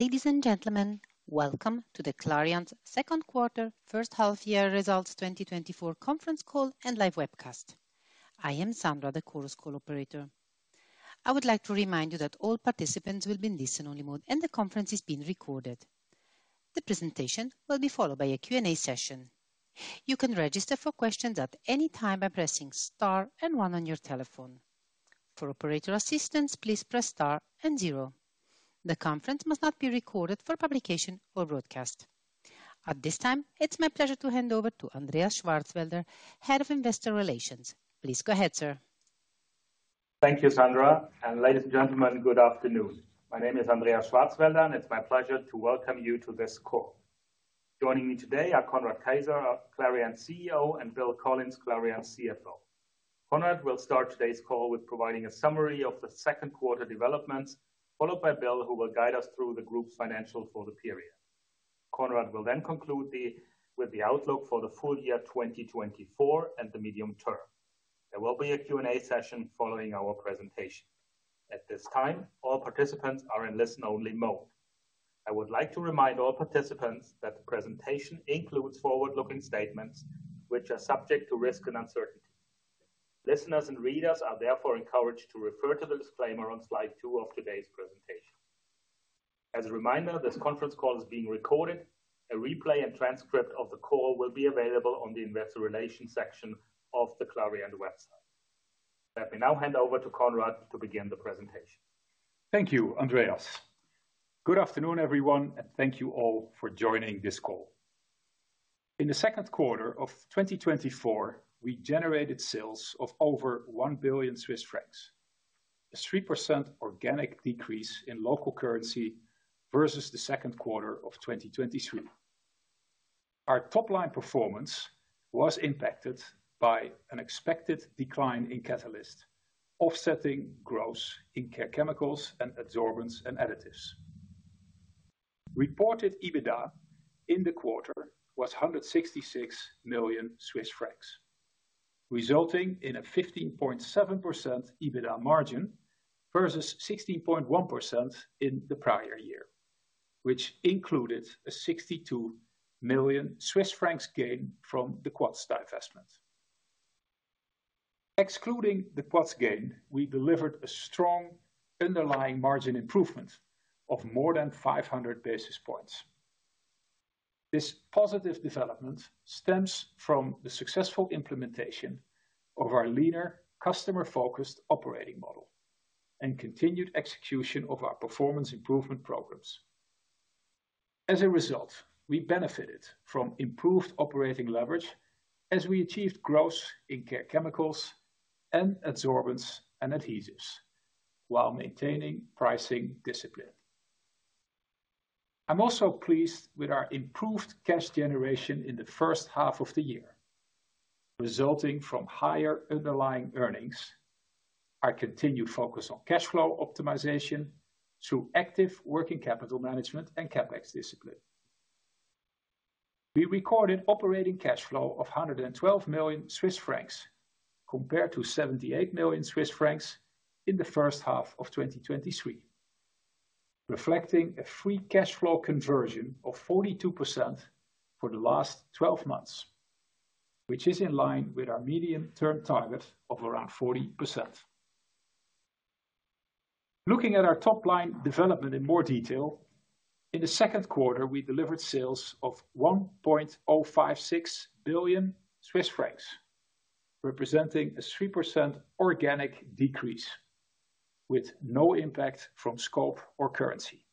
Ladies and gentlemen, welcome to Clariant's second quarter first half year results, 2024 conference call and live webcast. I am Sandra, the Chorus Call operator. I would like to remind you that all participants will be in listen-only mode, and the conference is being recorded. The presentation will be followed by a Q&A session. You can register for questions at any time by pressing star and one on your telephone. For operator assistance, please press star and zero. The conference must not be recorded for publication or broadcast. At this time, it's my pleasure to hand over to Andreas Schwarzwälder, Head of Investor Relations. Please go ahead, sir. Thank you, Sandra, and ladies and gentlemen, good afternoon. My name is Andreas Schwarzwälder, and it's my pleasure to welcome you to this call. Joining me today are Conrad Keijzer, Clariant's CEO, and Bill Collins, Clariant's CFO. Conrad will start today's call with providing a summary of the second quarter developments, followed by Bill, who will guide us through the group's financial for the period. Conrad will then conclude the, with the outlook for the full year 2024 and the medium-term. There will be a Q&A session following our presentation. At this time, all participants are in listen-only mode. I would like to remind all participants that the presentation includes forward-looking statements which are subject to risk and uncertainty. Listeners and readers are therefore encouraged to refer to the disclaimer on slide two of today's presentation. As a reminder, this conference call is being recorded. A replay and transcript of the call will be available on the Investor Relations section of the Clariant website. Let me now hand over to Conrad to begin the presentation. Thank you, Andreas. Good afternoon, everyone, and thank you all for joining this call. In the second quarter of 2024, we generated sales of over 1 billion Swiss francs, a 3% organic decrease in local currency versus the second quarter of 2023. Our top line performance was impacted by an expected decline in catalyst, offsetting growth in Care Chemicals and Adsorbents & Additives. Reported EBITDA in the quarter was 166 million Swiss francs, resulting in a 15.7% EBITDA margin versus 16.1% in the prior year, which included a 62 million Swiss francs gain from the Quats divestment. Excluding the Quats gain, we delivered a strong underlying margin improvement of more than 500 basis points. This positive development stems from the successful implementation of our leaner, customer-focused operating model and continued execution of our performance improvement programs. As a result, we benefited from improved operating leverage as we achieved growth in Care Chemicals and Adsorbents & Additives while maintaining pricing discipline. I'm also pleased with our improved cash generation in the first half of the year, resulting from higher underlying earnings. Our continued focus on cash flow optimization through active working capital management and CapEx discipline. We recorded operating cash flow of 112 million Swiss francs, compared to 78 million Swiss francs in the first half of 2023, reflecting a free cash flow conversion of 42% for the last twelve months, which is in line with our medium-term target of around 40%. Looking at our top-line development in more detail, in the second quarter, we delivered sales of 1.056 billion Swiss francs, representing a 3% organic decrease with no impact from scope or currency.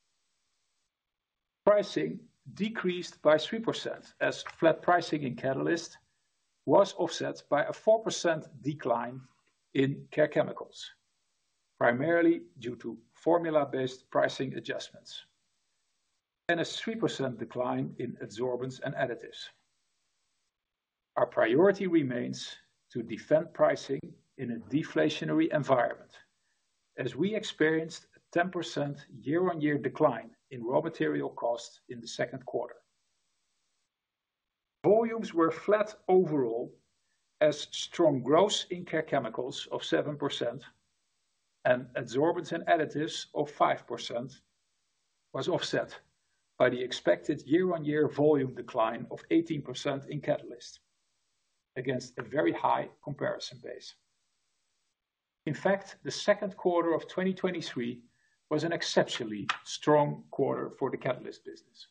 Pricing decreased by 3%, as flat pricing in Catalysts was offset by a 4% decline in Care Chemicals, primarily due to formula-based pricing adjustments, and a 3% decline in Adsorbents & Additives. Our priority remains to defend pricing in a deflationary environment, as we experienced a 10% year-on-year decline in raw material costs in the second quarter. Volumes were flat overall, as strong growth in Care Chemicals of 7% and Adsorbents & Additives of 5% was offset by the expected year-on-year volume decline of 18% in Catalysts, against a very high comparison base. In fact, the second quarter of 2023 was an exceptionally strong quarter for the Catalysts business.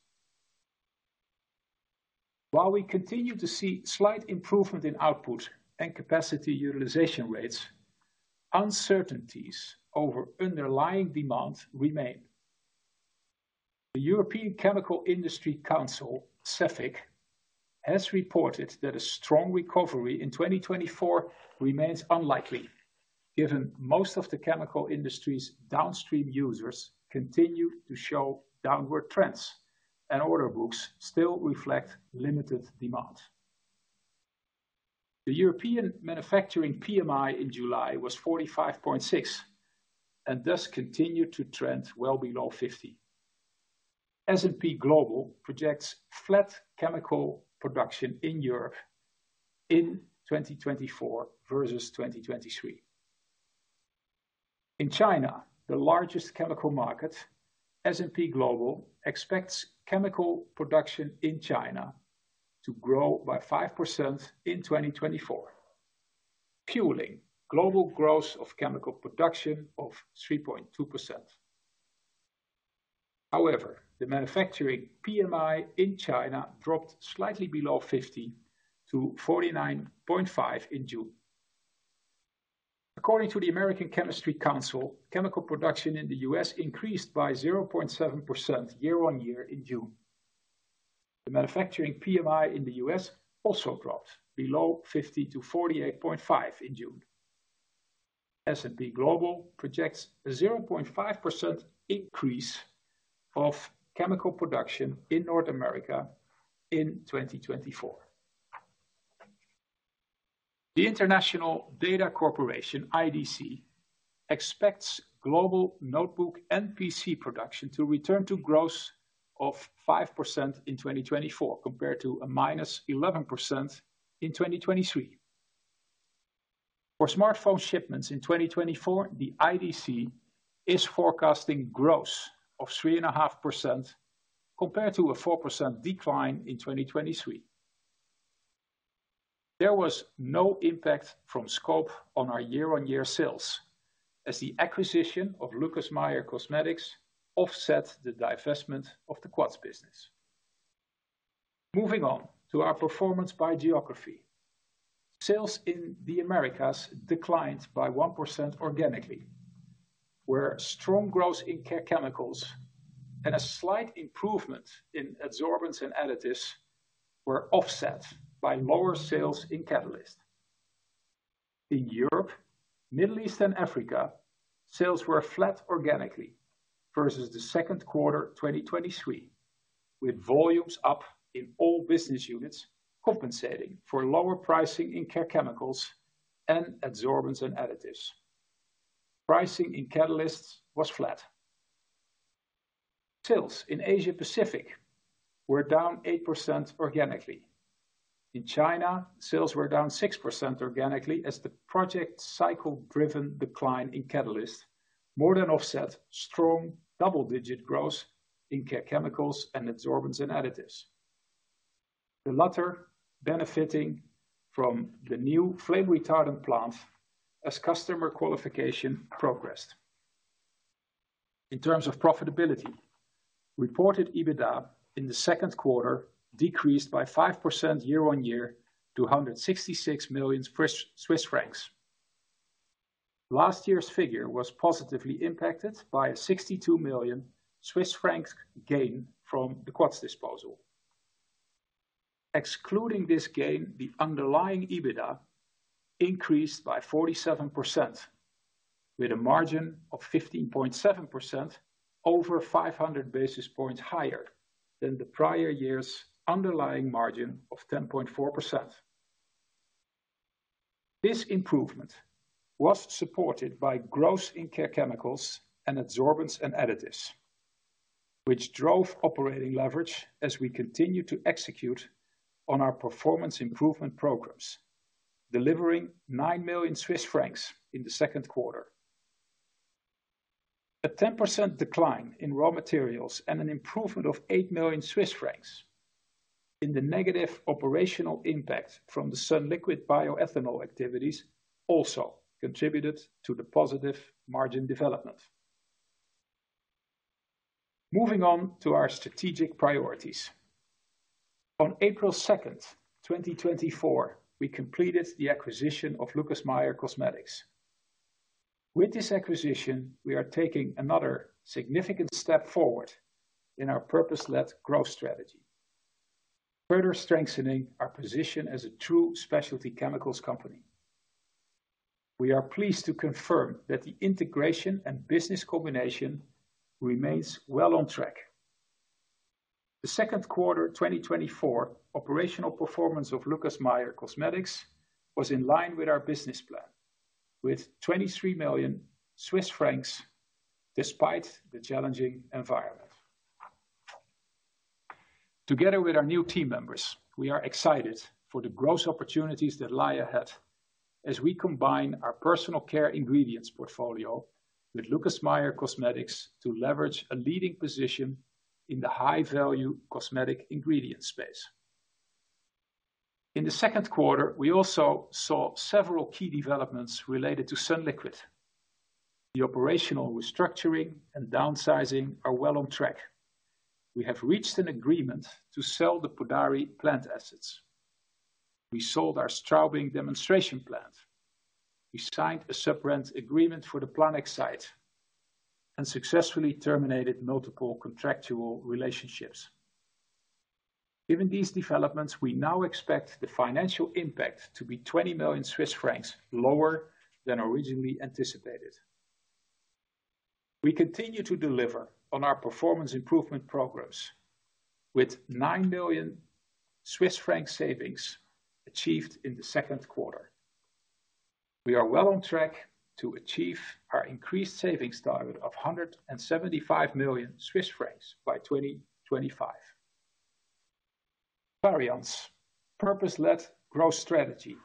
While we continue to see slight improvement in output and capacity utilization rates, uncertainties over underlying demand remain. The European Chemical Industry Council, CEFIC, has reported that a strong recovery in 2024 remains unlikely, given most of the chemical industry's downstream users continue to show downward trends and order books still reflect limited demand. The European Manufacturing PMI in July was 45.6, and thus continued to trend well below 50. S&P Global projects flat chemical production in Europe in 2024 versus 2023. In China, the largest chemical market, S&P Global expects chemical production in China to grow by 5% in 2024, fueling global growth of chemical production of 3.2%. However, the Manufacturing PMI in China dropped slightly below 50-49.5 in June. According to the American Chemistry Council, chemical production in the U.S. increased by 0.7% year-on-year in June. The Manufacturing PMI in the U.S. also dropped below 50-48.5 in June. S&P Global projects a 0.5% increase of chemical production in North America in 2024. The International Data Corporation, IDC, expects global notebook and PC production to return to growth of 5% in 2024, compared to a -11% in 2023. For smartphone shipments in 2024, the IDC is forecasting growth of 3.5% compared to a 4% decline in 2023. There was no impact from scope on our year-on-year sales, as the acquisition of Lucas Meyer Cosmetics offset the divestment of the Quats business. Moving on to our performance by geography. Sales in the Americas declined by 1% organically, where strong growth in Care Chemicals and a slight improvement in Adsorbents & Additives were offset by lower sales in Catalysts. In Europe, Middle East, and Africa, sales were flat organically versus the second quarter 2023, with volumes up in all business units, compensating for lower pricing in Care Chemicals and Adsorbents & Additives. Pricing in Catalysts was flat. Sales in Asia Pacific were down 8% organically. In China, sales were down 6% organically as the project cycle-driven decline in Catalysts more than offset strong double-digit growth in Care Chemicals and Adsorbents & Additives. The latter benefiting from the new flame retardant plant as customer qualification progressed. In terms of profitability, reported EBITDA in the second quarter decreased by 5% year-on-year to CHF 166 million. Last year's figure was positively impacted by a 62 million Swiss franc gain from the Quats disposal. Excluding this gain, the underlying EBITDA increased by 47%, with a margin of 15.7% over 500 basis points higher than the prior year's underlying margin of 10.4%. This improvement was supported by growth in Care Chemicals and Adsorbents & Additives, which drove operating leverage as we continue to execute on our performance improvement programs, delivering 9 million Swiss francs in the second quarter. A 10% decline in raw materials and an improvement of 8 million Swiss francs in the negative operational impact from the sunliquid bioethanol activities also contributed to the positive margin development. Moving on to our strategic priorities. On April 2nd, 2024, we completed the acquisition of Lucas Meyer Cosmetics. With this acquisition, we are taking another significant step forward in our purpose-led growth strategy, further strengthening our position as a true specialty chemicals company. We are pleased to confirm that the integration and business combination remains well on track. The second quarter 2024 operational performance of Lucas Meyer Cosmetics was in line with our business plan, with 23 million Swiss francs, despite the challenging environment. Together with our new team members, we are excited for the growth opportunities that lie ahead as we combine our personal care ingredients portfolio with Lucas Meyer Cosmetics to leverage a leading position in the high-value cosmetic ingredient space. In the second quarter, we also saw several key developments related to sunliquid. The operational restructuring and downsizing are well on track. We have reached an agreement to sell the Podari plant assets. We sold our Straubing demonstration plant. We signed a separate agreement for the Planegg site and successfully terminated multiple contractual relationships. Given these developments, we now expect the financial impact to be 20 million Swiss francs lower than originally anticipated. We continue to deliver on our performance improvement progress, with 9 million Swiss franc savings achieved in the second quarter. We are well on track to achieve our increased savings target of 175 million Swiss francs by 2025. Clariant's purpose-led growth strategy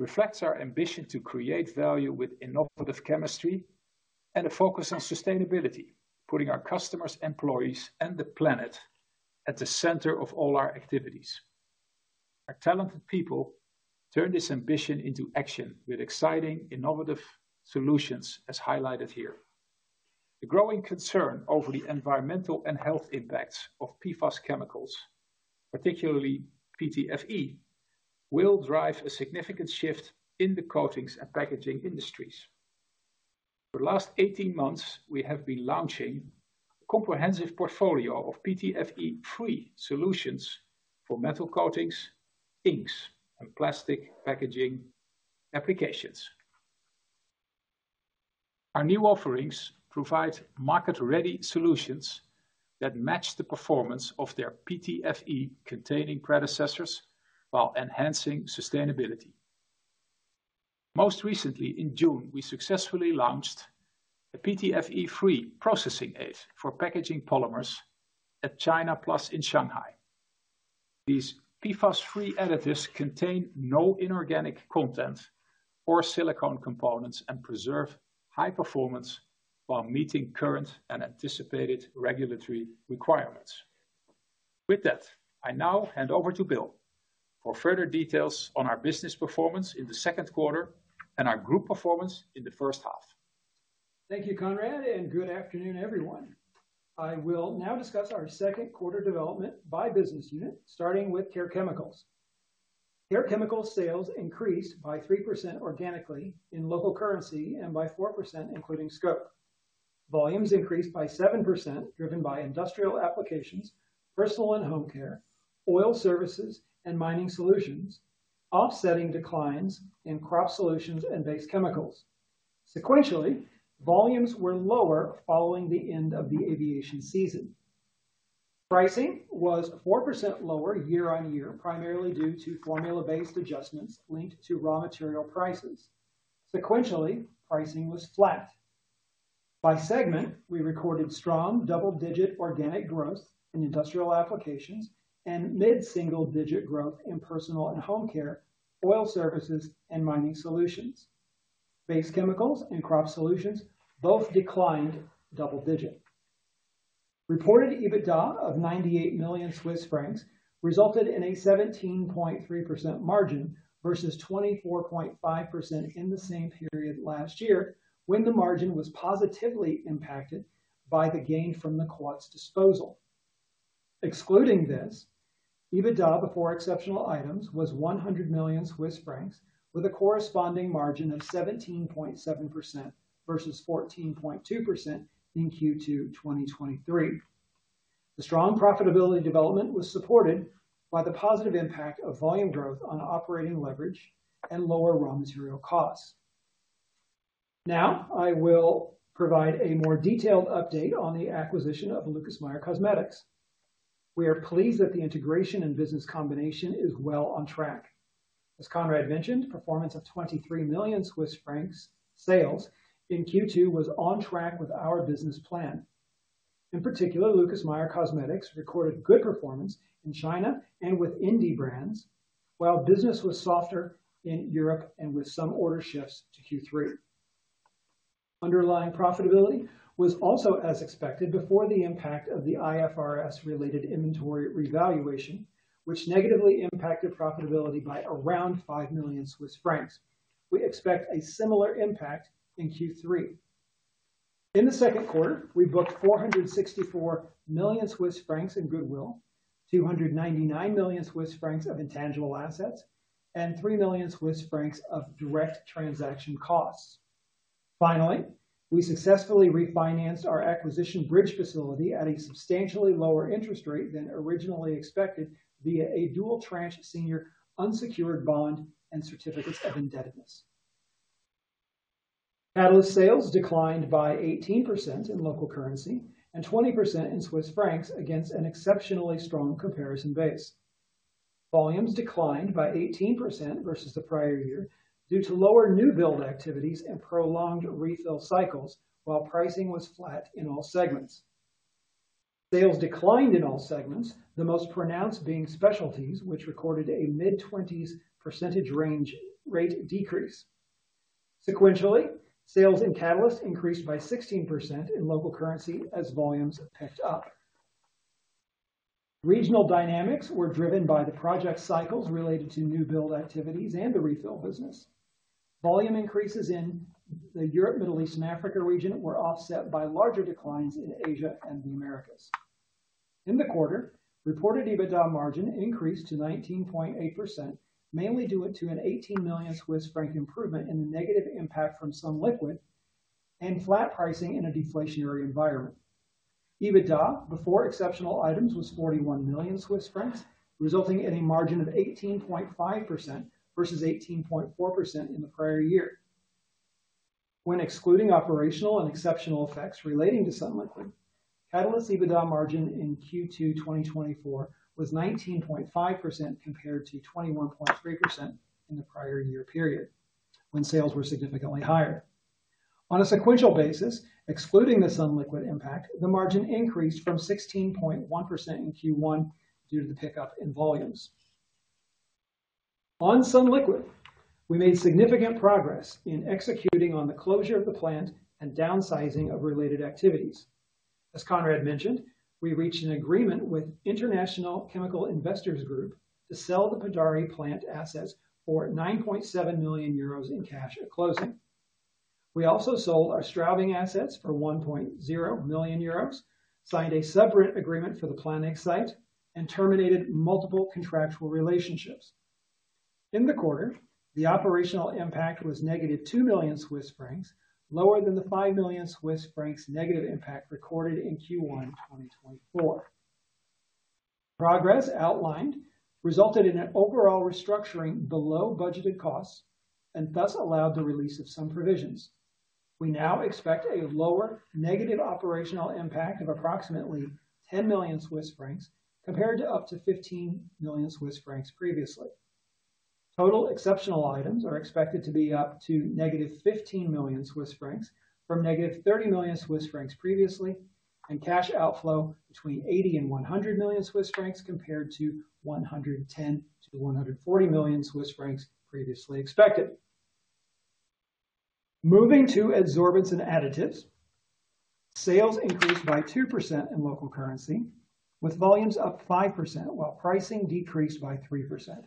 reflects our ambition to create value with innovative chemistry and a focus on sustainability, putting our customers, employees, and the planet at the center of all our activities. Our talented people turn this ambition into action with exciting, innovative solutions, as highlighted here. The growing concern over the environmental and health impacts of PFAS chemicals, particularly PTFE, will drive a significant shift in the coatings and packaging industries. For the last 18 months, we have been launching a comprehensive portfolio of PTFE-free solutions for metal coatings, inks, and plastic packaging applications. Our new offerings provide market-ready solutions that match the performance of their PTFE-containing predecessors while enhancing sustainability. Most recently, in June, we successfully launched a PTFE-free processing aid for packaging polymers at Chinaplas in Shanghai. These PFAS-free Additives contain no inorganic content or silicone components and preserve high performance while meeting current and anticipated regulatory requirements. With that, I now hand over to Bill for further details on our business performance in the second quarter and our group performance in the first half. Thank you, Conrad, and good afternoon, everyone. I will now discuss our second quarter development by business unit, starting with Care Chemicals. Care Chemicals sales increased by 3% organically in local currency and by 4% including scope. Volumes increased by 7%, driven by industrial applications, personal and home care, oil services, and mining solutions, offsetting declines in crop solutions and base chemicals. Sequentially, volumes were lower following the end of the aviation season. Pricing was 4% lower year-on-year, primarily due to formula-based adjustments linked to raw material prices. Sequentially, pricing was flat. By segment, we recorded strong double-digit organic growth in industrial applications and mid-single-digit growth in personal and home care, oil services, and mining solutions. Base chemicals and crop solutions both declined double digit. Reported EBITDA of 98 million Swiss francs resulted in a 17.3% margin versus 24.5% in the same period last year, when the margin was positively impacted by the gain from the Quats disposal. Excluding this, EBITDA before exceptional items was 100 million Swiss francs, with a corresponding margin of 17.7% versus 14.2% in Q2 2023. The strong profitability development was supported by the positive impact of volume growth on operating leverage and lower raw material costs. Now, I will provide a more detailed update on the acquisition of Lucas Meyer Cosmetics. We are pleased that the integration and business combination is well on track. As Conrad mentioned, performance of 23 million Swiss francs sales in Q2 was on track with our business plan. In particular, Lucas Meyer Cosmetics recorded good performance in China and with indie brands, while business was softer in Europe and with some order shifts to Q3. Underlying profitability was also as expected, before the impact of the IFRS-related inventory revaluation, which negatively impacted profitability by around 5 million Swiss francs. We expect a similar impact in Q3. In the second quarter, we booked 464 million Swiss francs in Goodwill, 299 million Swiss francs of intangible assets, and 3 million Swiss francs of direct transaction costs. Finally, we successfully refinanced our acquisition bridge facility at a substantially lower interest rate than originally expected via a dual tranche senior unsecured bond and certificates of indebtedness. Catalyst sales declined by 18% in local currency and 20% in Swiss francs against an exceptionally strong comparison base. Volumes declined by 18% versus the prior year due to lower new build activities and prolonged refill cycles, while pricing was flat in all segments. Sales declined in all segments, the most pronounced being specialties, which recorded a mid-20%s range rate decrease. Sequentially, sales in Catalysts increased by 16% in local currency as volumes picked up. Regional dynamics were driven by the project cycles related to new build activities and the refill business. Volume increases in the Europe, Middle East, and Africa region were offset by larger declines in Asia and the Americas. In the quarter, reported EBITDA margin increased to 19.8%, mainly due to a 18 million Swiss franc improvement in the negative impact from sunliquid and flat pricing in a deflationary environment. EBITDA, before exceptional items, was 41 million Swiss francs, resulting in a margin of 18.5% versus 18.4% in the prior year. When excluding operational and exceptional effects relating to sunliquid, Catalysts' EBITDA margin in Q2 2024 was 19.5%, compared to 21.3% in the prior year period, when sales were significantly higher. On a sequential basis, excluding the sunliquid impact, the margin increased from 16.1% in Q1 due to the pickup in volumes. On sunliquid, we made significant progress in executing on the closure of the plant and downsizing of related activities. As Conrad mentioned, we reached an agreement with International Chemical Investors Group to sell the Podari plant assets for 9.7 million euros in cash at closing. We also sold our Straubing assets for 1.0 million euros, signed a separate agreement for the Planegg site, and terminated multiple contractual relationships. In the quarter, the operational impact was -2 million Swiss francs, lower than the 5 million Swiss francs negative impact recorded in Q1 2024. Progress outlined resulted in an overall restructuring below budgeted costs and thus allowed the release of some provisions. We now expect a lower negative operational impact of approximately 10 million Swiss francs, compared to up to 15 million Swiss francs previously. Total exceptional items are expected to be up to -15 million Swiss francs from -30 million Swiss francs previously, and cash outflow between 80 million-100 million Swiss francs, compared to 110 million-140 million Swiss francs previously expected. Moving to Adsorbents & Additives, sales increased by 2% in local currency, with volumes up 5%, while pricing decreased by 3%.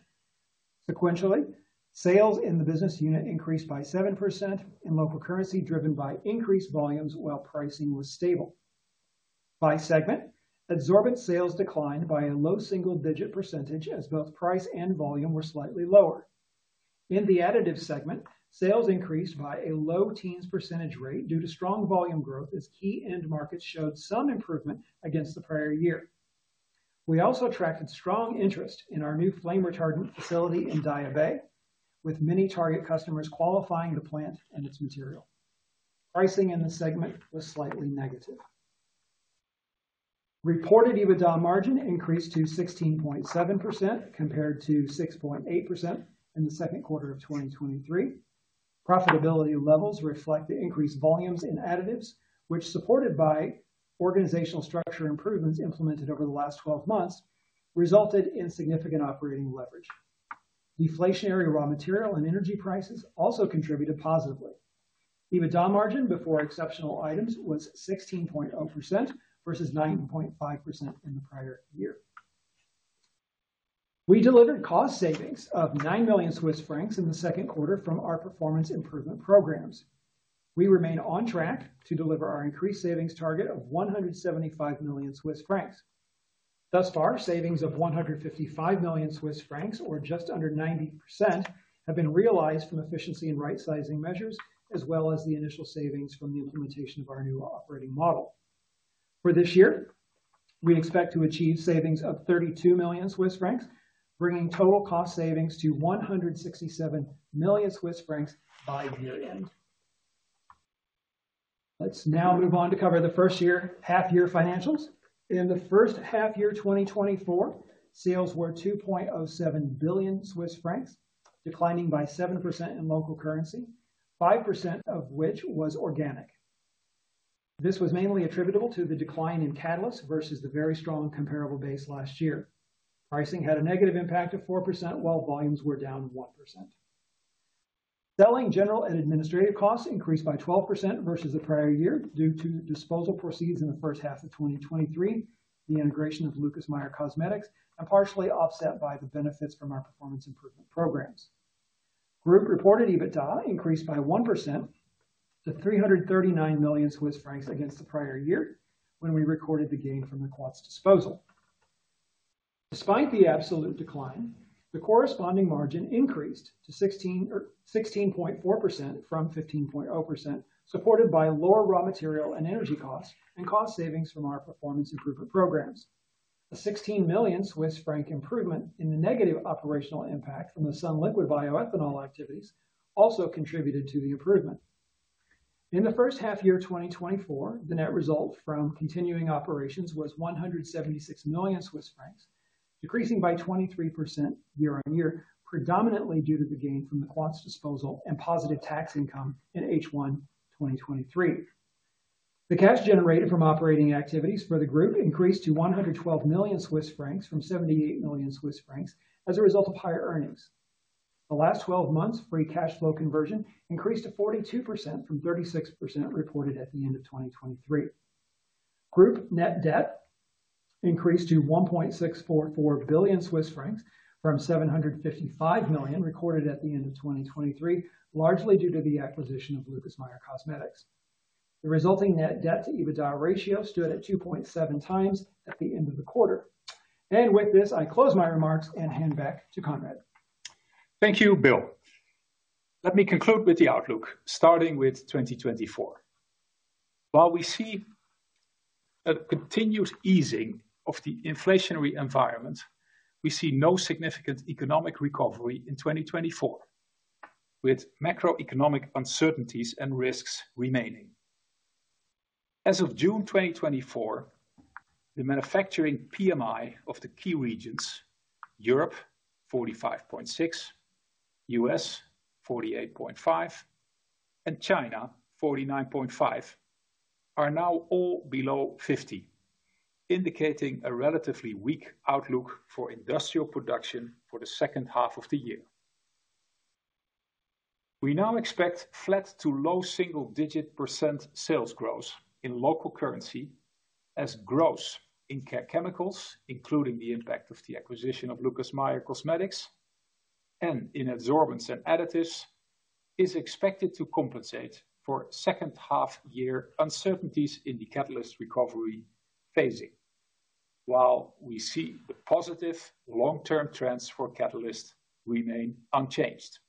Sequentially, sales in the business unit increased by 7% in local currency, driven by increased volumes while pricing was stable. By segment, Adsorbent sales declined by a low single-digit percentage as both price and volume were slightly lower. In the Additives segment, sales increased by a low teens percentage rate due to strong volume growth, as key end markets showed some improvement against the prior year. We also attracted strong interest in our new flame retardant facility in Daya Bay, with many target customers qualifying the plant and its material. Pricing in this segment was slightly negative. Reported EBITDA margin increased to 16.7%, compared to 6.8% in the second quarter of 2023. Profitability levels reflect the increased volumes in Additives, which, supported by organizational structure improvements implemented over the last 12 months, resulted in significant operating leverage. Deflationary raw material and energy prices also contributed positively. EBITDA margin before exceptional items was 16.0% versus 9.5% in the prior year. We delivered cost savings of 9 million Swiss francs in the second quarter from our performance improvement programs. We remain on track to deliver our increased savings target of 175 million Swiss francs. Thus far, savings of 155 million Swiss francs, or just under 90%, have been realized from efficiency and rightsizing measures, as well as the initial savings from the implementation of our new operating model. For this year, we expect to achieve savings of 32 million Swiss francs, bringing total cost savings to 167 million Swiss francs by year-end. Let's now move on to cover the first half-year financials. In the first half year, 2024, sales were 2.07 billion Swiss francs, declining by 7% in local currency, 5% of which was organic. This was mainly attributable to the decline in Catalysts versus the very strong comparable base last year. Pricing had a negative impact of 4%, while volumes were down 1%. Selling, general, and administrative costs increased by 12% versus the prior year due to disposal proceeds in the first half of 2023, the integration of Lucas Meyer Cosmetics, and partially offset by the benefits from our performance improvement programs. Group reported EBITDA increased by 1% to 339 million Swiss francs against the prior year, when we recorded the gain from the Quats disposal. Despite the absolute decline, the corresponding margin increased to 16% or 16.4% from 15.0%, supported by lower raw material and energy costs and cost savings from our performance improvement programs. A 16 million Swiss franc improvement in the negative operational impact from the sunliquid bioethanol activities also contributed to the improvement. In the first half year, 2024, the net result from continuing operations was 176 million Swiss francs, decreasing by 23% year-on-year, predominantly due to the gain from the Quats disposal and positive tax income in H1 2023. The cash generated from operating activities for the group increased to 112 million Swiss francs from 78 million Swiss francs as a result of higher earnings. The last twelve months, free cash flow conversion increased to 42% from 36% reported at the end of 2023. Group net debt increased to 1.644 billion Swiss francs from 755 million recorded at the end of 2023, largely due to the acquisition of Lucas Meyer Cosmetics. The resulting net debt to EBITDA ratio stood at 2.7 times at the end of the quarter. And with this, I close my remarks and hand back to Conrad. Thank you, Bill. Let me conclude with the outlook, starting with 2024. While we see a continuous easing of the inflationary environment, we see no significant economic recovery in 2024, with macroeconomic uncertainties and risks remaining. As of June 2024, the manufacturing PMI of the key regions, Europe 45.6, U.S. 48.5, and China 49.5, are now all below 50, indicating a relatively weak outlook for industrial production for the second half of the year. We now expect flat to low single-digit percent sales growth in local currency, as growth in Care Chemicals, including the impact of the acquisition of Lucas Meyer Cosmetics and in Adsorbents & Additives, is expected to compensate for second half year uncertainties in the Catalysts recovery phasing. While we see the positive long-term trends for Catalysts remain unchanged.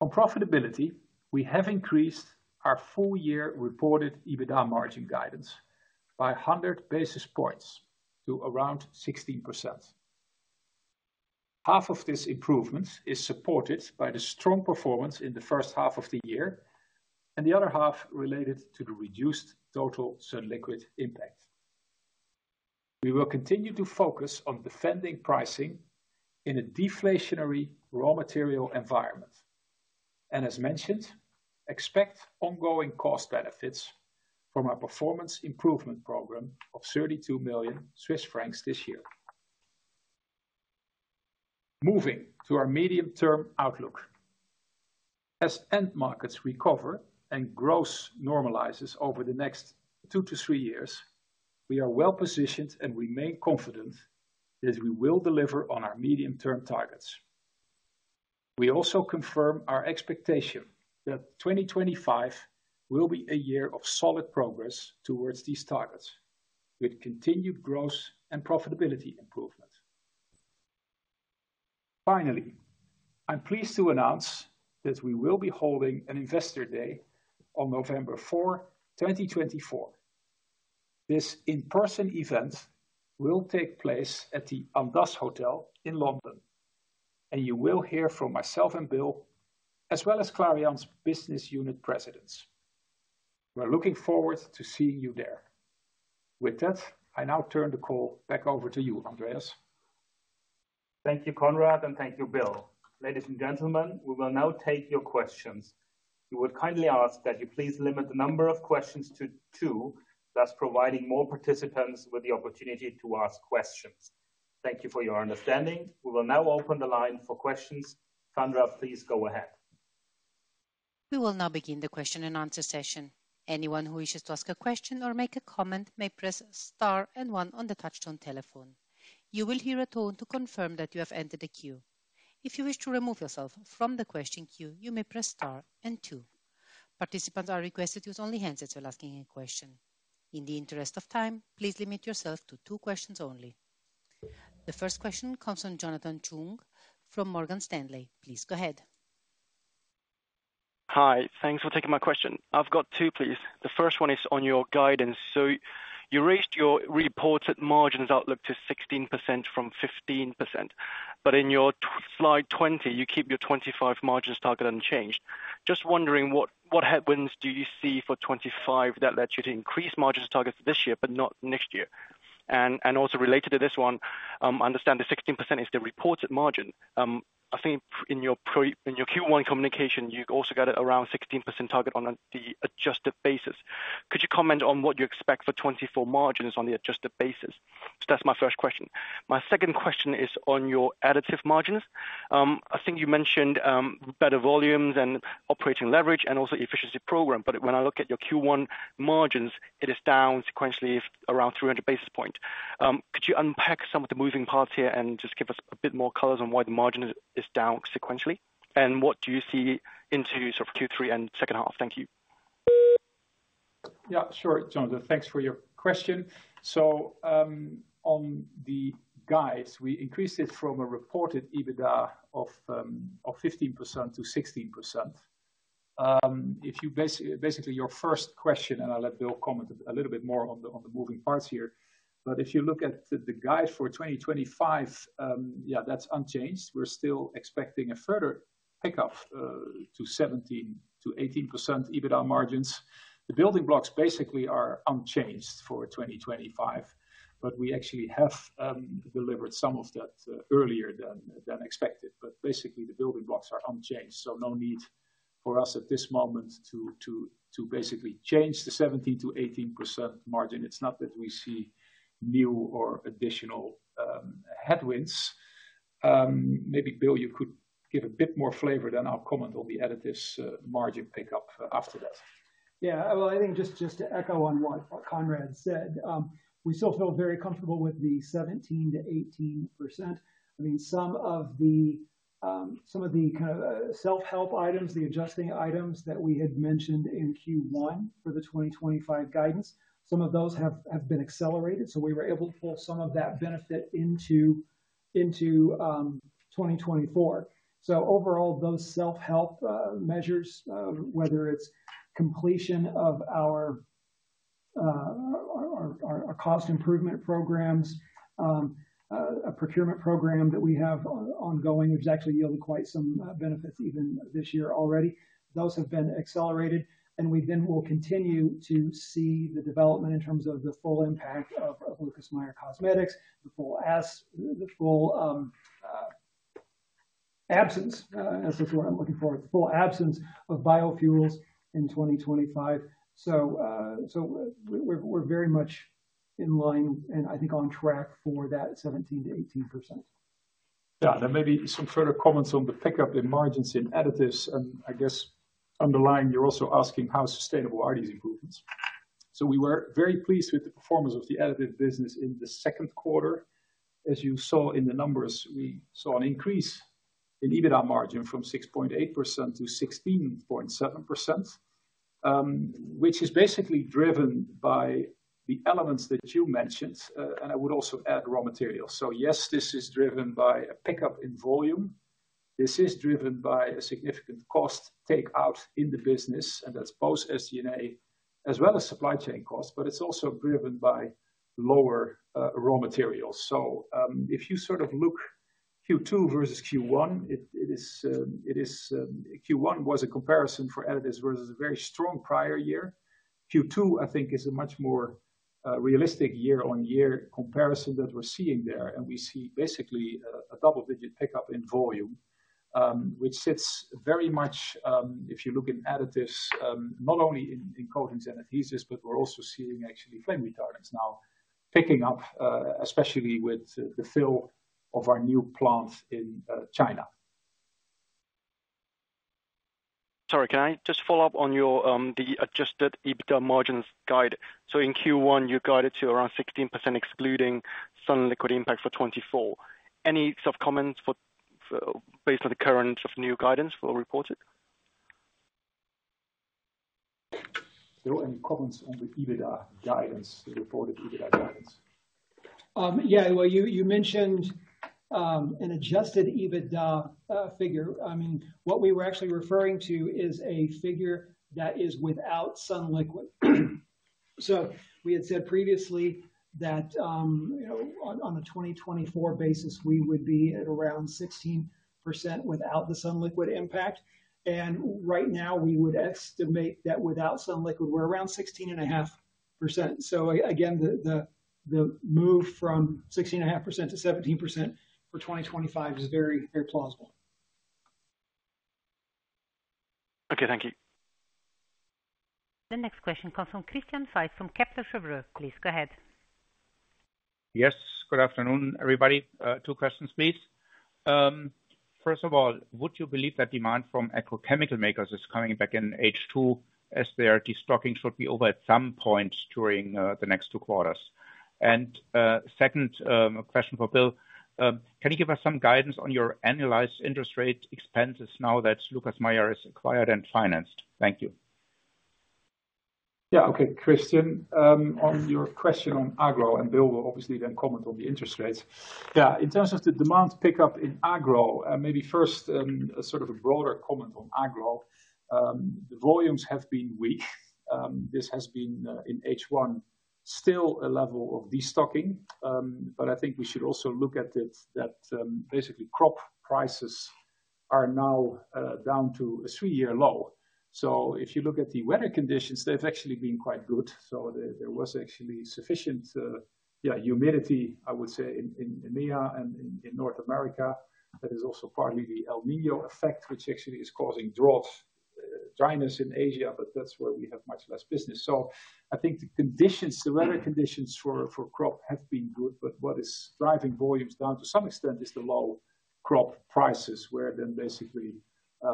On profitability, we have increased our full year reported EBITDA margin guidance by 100 basis points to around 16%. Half of this improvement is supported by the strong performance in the first half of the year, and the other half related to the reduced total sunliquid impact. We will continue to focus on defending pricing in a deflationary raw material environment, and as mentioned, expect ongoing cost benefits from our performance improvement program of 32 million Swiss francs this year. Moving to our medium-term outlook. As end markets recover and growth normalizes over the next 2-3 years, we are well positioned and remain confident that we will deliver on our medium-term targets. We also confirm our expectation that 2025 will be a year of solid progress towards these targets, with continued growth and profitability improvement. Finally, I'm pleased to announce that we will be holding an Investor Day on November 4, 2024. This in-person event will take place at the Andaz Hotel in London, and you will hear from myself and Bill, as well as Clariant's Business Unit presidents. We're looking forward to seeing you there. With that, I now turn the call back over to you, Andreas. Thank you, Conrad, and thank you, Bill. Ladies and gentlemen, we will now take your questions. We would kindly ask that you please limit the number of questions to two, thus providing more participants with the opportunity to ask questions. Thank you for your understanding. We will now open the line for questions. Sandra, please go ahead. We will now begin the question and answer session. Anyone who wishes to ask a question or make a comment may press star and one on the touch-tone telephone. You will hear a tone to confirm that you have entered the queue. If you wish to remove yourself from the question queue, you may press star and two. Participants are requested to use only handsets while asking a question. In the interest of time, please limit yourself to two questions only. The first question comes from Jonathan Chung from Morgan Stanley. Please go ahead. Hi, thanks for taking my question. I've got two, please. The first one is on your guidance. So you raised your reported margins outlook to 16% from 15%, but in your slide 20, you keep your 2025 margins target unchanged. Just wondering, what headwinds do you see for 2025 that lets you to increase margins targets this year, but not next year? And also related to this one, I understand the 16% is the reported margin. I think in your pre-- in your Q1 communication, you also got around 16% target on the adjusted basis. Could you comment on what you expect for 2024 margins on the adjusted basis? So that's my first question. My second question is on your additive margins. I think you mentioned better volumes and operating leverage and also efficiency program, but when I look at your Q1 margins, it is down sequentially around 300 basis points. Could you unpack some of the moving parts here and just give us a bit more colors on why the margin is down sequentially? And what do you see into sort of Q3 and second half? Thank you. Yeah, sure, Jonathan, thanks for your question. So, on the guides, we increased it from a reported EBITDA of 15%-16%. Basically, your first question, and I'll let Bill comment a little bit more on the moving parts here, but if you look at the guide for 2025, yeah, that's unchanged. We're still expecting a further pick-up to 17%-18% EBITDA margins. The building blocks basically are unchanged for 2025, but we actually have delivered some of that earlier than expected. But basically, the building blocks are unchanged, so no need for us at this moment to basically change the 17%-18% margin. It's not that we see new or additional headwinds. Maybe, Bill, you could give a bit more flavor. Then I'll comment on the Additives margin pick up after that. Yeah, well, I think just to echo on what Conrad said, we still feel very comfortable with the 17%-18%. I mean, some of the, some of the, kind of, self-help items, the adjusting items that we had mentioned in Q1 for the 2025 guidance, some of those have been accelerated, so we were able to pull some of that benefit into, into, 2024. So overall, those self-help, measures, whether it's completion of our cost improvement programs, a procurement program that we have ongoing, which has actually yielded quite some, benefits even this year already. Those have been accelerated, and we then will continue to see the development in terms of the full impact of Lucas Meyer Cosmetics, the full absence, that's the word I'm looking for, the full absence of biofuels in 2025. So, so we're, we're very much in line, and I think on track for that 17%-18%. Yeah, there may be some further comments on the pickup in margins in Additives, and I guess underlying, you're also asking how sustainable are these improvements? So we were very pleased with the performance of the additive business in the second quarter. As you saw in the numbers, we saw an increase in EBITDA margin from 6.8%-16.7%, which is basically driven by the elements that you mentioned, and I would also add raw materials. So yes, this is driven by a pickup in volume. This is driven by a significant cost take out in the business, and that's both SG&A as well as supply chain costs, but it's also driven by lower raw materials. So, if you sort of look at Q2 versus Q1, it is Q1 was a comparison for Additives versus a very strong prior year. Q2, I think, is a much more realistic year-on-year comparison that we're seeing there, and we see basically a double-digit pickup in volume, which sits very much, if you look in Additives, not only in coatings and adhesives, but we're also seeing actually flame retardants now picking up, especially with the fill of our new plants in China. Sorry, can I just follow up on your, the adjusted EBITDA margins guide? So in Q1, you guided to around 16%, excluding some sunliquid impact for 2024. Any sort of comments based on the current sort of new guidance for reported? Are there any comments on the EBITDA guidance, the reported EBITDA guidance? Yeah, well, you mentioned an adjusted EBITDA figure. I mean, what we were actually referring to is a figure that is without sunliquid. So we had said previously that, on a 2024 basis, we would be at around 16% without the sunliquid impact. And right now, we would estimate that without sunliquid, we're around 16.5%. So again, the move from 16.5%-17% for 2025 is very, very plausible. Okay, thank you. The next question comes from Christian Faitz from Kepler Cheuvreux. Please, go ahead. Yes, good afternoon, everybody. Two questions, please. First of all, would you believe that demand from agrochemical makers is coming back in H2 as their destocking should be over at some point during the next two quarters? And, second, question for Bill. Can you give us some guidance on your annualized interest rate expenses now that Lucas Meyer is acquired and financed? Thank you. Yeah. Okay, Christian, on your question on agro, and Bill will obviously then comment on the interest rates. Yeah, in terms of the demand pickup in agro, and maybe first, a sort of a broader comment on agro. The volumes have been weak. This has been, in H1, still a level of destocking, but I think we should also look at it, that, basically, crop prices are now down to a three-year low. So if you look at the weather conditions, they've actually been quite good. So there was actually sufficient humidity, I would say, in EMEA and in North America. That is also partly the El Niño effect, which actually is causing drought, dryness in Asia, but that's where we have much less business. So I think the conditions, the weather conditions for crop have been good, but what is driving volumes down to some extent is the low crop prices, where then basically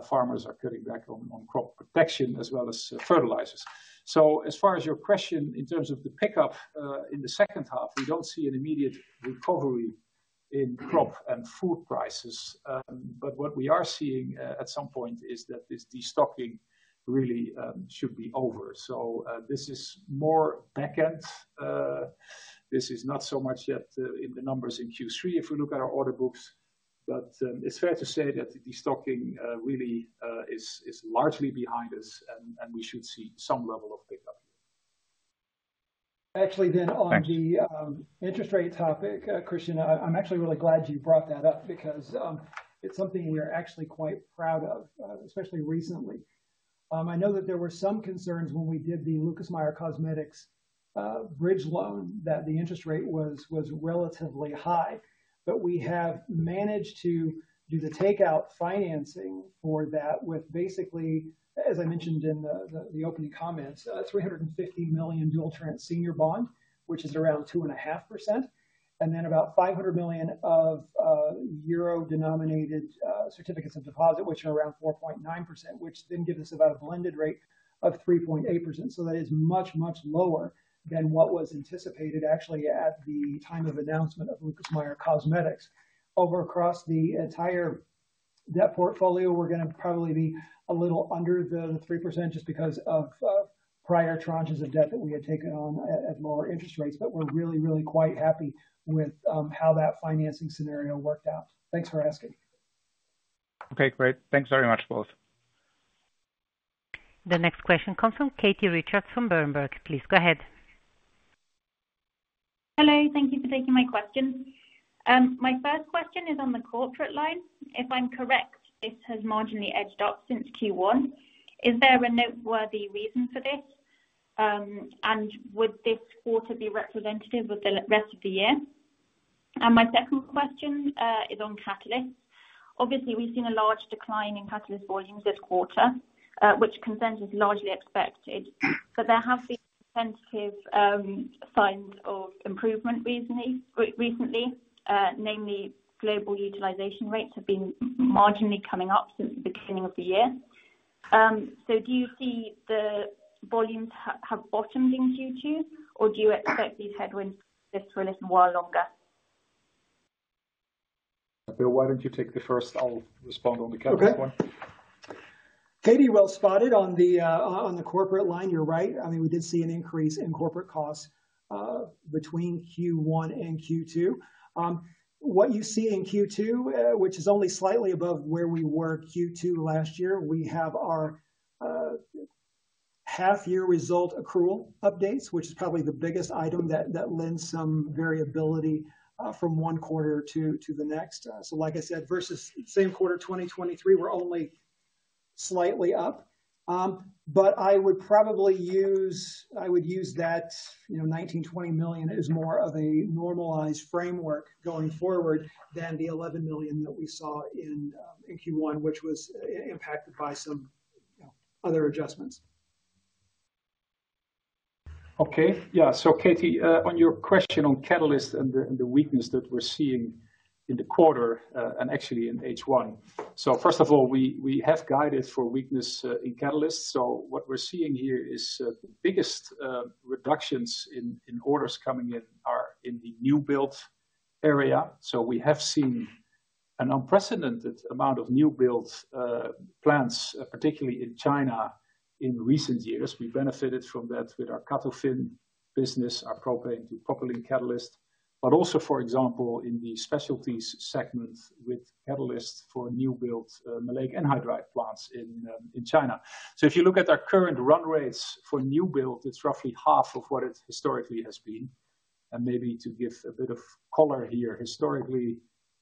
farmers are cutting back on crop protection as well as fertilizers. So as far as your question, in terms of the pickup in the second half, we don't see an immediate recovery in crop and food prices. But what we are seeing at some point is that this destocking really should be over. So this is more back-end, this is not so much yet in the numbers in Q3, if we look at our order books. But it's fair to say that destocking really is largely behind us, and we should see some level of pickup. Actually, then on the interest rate topic, Christian, I'm actually really glad you brought that up because it's something we're actually quite proud of, especially recently. I know that there were some concerns when we did the Lucas Meyer Cosmetics bridge loan, that the interest rate was relatively high. But we have managed to do the takeout financing for that with basically, as I mentioned in the opening comments, 350 million dual tranche senior bond, which is around 2.5%, and then about 500 million of euro-denominated certificates of indebtedness, which are around 4.9%, which then gives us about a blended rate of 3.8%. So that is much, much lower than what was anticipated actually, at the time of announcement of Lucas Meyer Cosmetics. Over across the entire debt portfolio, we're gonna probably be a little under the 3% just because of, of prior tranches of debt that we had taken on at, at lower interest rates, but we're really, really quite happy with how that financing scenario worked out. Thanks for asking. Okay, great. Thanks very much, both. The next question comes from Katie Richards from Berenberg. Please go ahead. Hello. Thank you for taking my question. My first question is on the corporate line. If I'm correct, this has marginally edged up since Q1. Is there a noteworthy reason for this? And would this quarter be representative of the rest of the year? And my second question is on catalysts. Obviously, we've seen a large decline in catalyst volumes this quarter, which consensus is largely expected. But there have been some signs of improvement recently, namely, global utilization rates have been marginally coming up since the beginning of the year. So do you see the volumes have bottomed in Q2, or do you expect these headwinds to last a while longer? Bill, why don't you take the first? I'll respond on the catalyst one. Okay. Katie, well spotted on the, on the corporate line, you're right. I mean, we did see an increase in corporate costs, between Q1 and Q2. What you see in Q2, which is only slightly above where we were Q2 last year, we have our, half-year result accrual updates, which is probably the biggest item that lends some variability, from one quarter to the next. So, like I said, versus same quarter, 2023, we're only slightly up. But I would probably use-- I would use that, you know, 19 million-20 million as more of a normalized framework going forward than the 11 million that we saw in, in Q1, which was impacted by some, you know, other adjustments. Okay. Yeah. So, Katie, on your question on Catalyst and the, and the weakness that we're seeing in the quarter, and actually in H1. So first of all, we have guided for weakness in catalysts. So what we're seeing here is the biggest reductions in orders coming in are in the new build area. So we have seen an unprecedented amount of new builds, plants, particularly in China, in recent years. We benefited from that with our CATOFIN business, our propane to propylene catalyst, but also, for example, in the specialties segment with catalysts for new build maleic anhydride plants in China. So if you look at our current run rates for new build, it's roughly half of what it historically has been. Maybe to give a bit of color here, historically,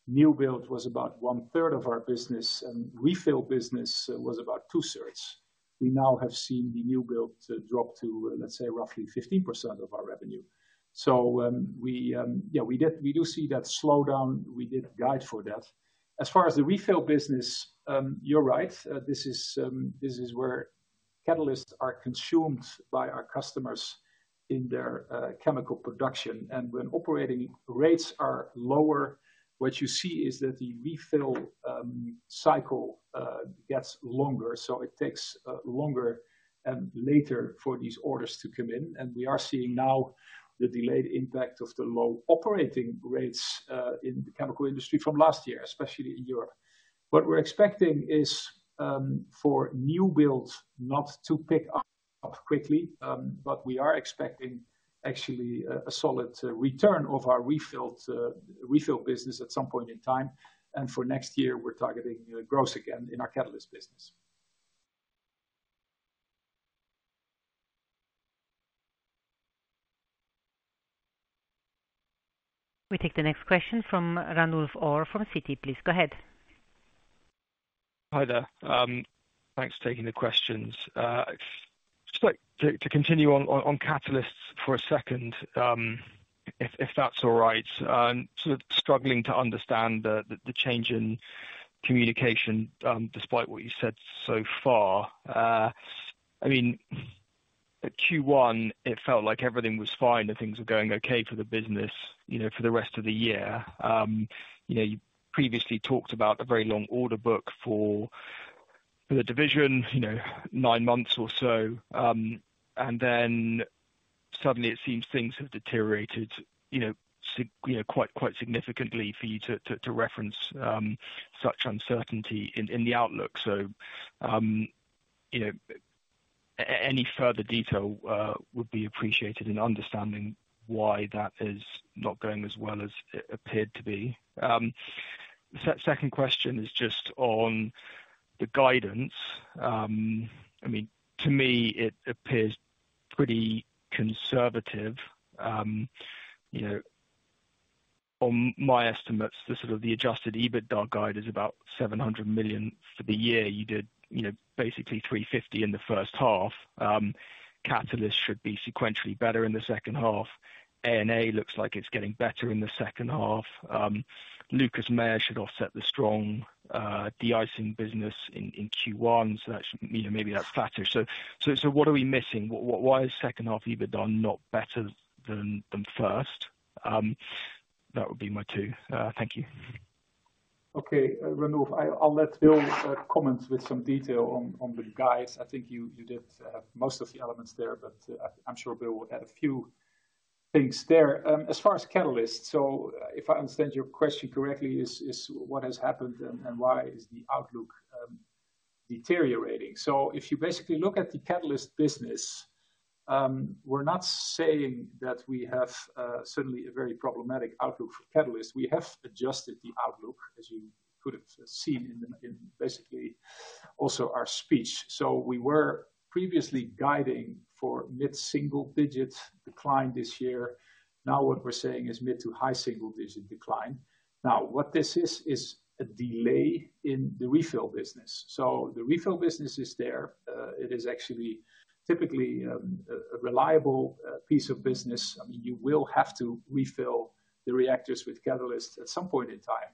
new build was about one third of our business, and refill business was about two thirds. We now have seen the new build to drop to, let's say, roughly 15% of our revenue. So, yeah, we do see that slowdown. We did a guide for that. As far as the refill business, you're right. This is where catalysts are consumed by our customers in their chemical production. And when operating rates are lower, what you see is that the refill cycle gets longer, so it takes longer and later for these orders to come in. And we are seeing now the delayed impact of the low operating rates in the chemical industry from last year, especially in Europe. What we're expecting is for new builds not to pick up quickly, but we are expecting actually a solid return of our refill business at some point in time. And for next year, we're targeting growth again in our catalyst business. We take the next question from Ranulf Orr from Citi. Please go ahead. Hi there. Thanks for taking the questions. Just like to continue on catalysts for a second, if that's all right. Sort of struggling to understand the change in communication, despite what you've said so far. I mean, at Q1, it felt like everything was fine, and things were going okay for the business, you know, for the rest of the year. You know, you previously talked about a very long order book for the division, you know, nine months or so, and then suddenly it seems things have deteriorated, you know, quite significantly for you to reference such uncertainty in the outlook. So, you know, any further detail would be appreciated in understanding why that is not going as well as it appeared to be. Second question is just on the guidance. I mean, to me, it appears pretty conservative. You know, on my estimates, the sort of the adjusted EBITDA guide is about 700 million for the year. You did, you know, basically 350 million in the first half. Catalysts should be sequentially better in the second half. A&A looks like it's getting better in the second half. Lucas Meyer should offset the strong de-icing business in Q1, so that should, you know, maybe that's flatter. So what are we missing? Why is second half EBITDA not better than first? That would be my two. Thank you. Okay, Ranulf, I'll let Bill comment with some detail on the guides. I think you did most of the elements there, but I'm sure Bill will add a few things there. As far as catalysts, if I understand your question correctly, is what has happened and why is the outlook deteriorating. So if you basically look at the catalysts business, we're not saying that we have suddenly a very problematic outlook for catalysts. We have adjusted the outlook, as you could have seen in the basically also our speech. So we were previously guiding for mid-single digit decline this year. Now, what we're saying is mid to high-single digit decline. Now, what this is, is a delay in the refill business. So the refill business is there. It is actually typically a reliable piece of business. I mean, you will have to refill the reactors with catalyst at some point in time.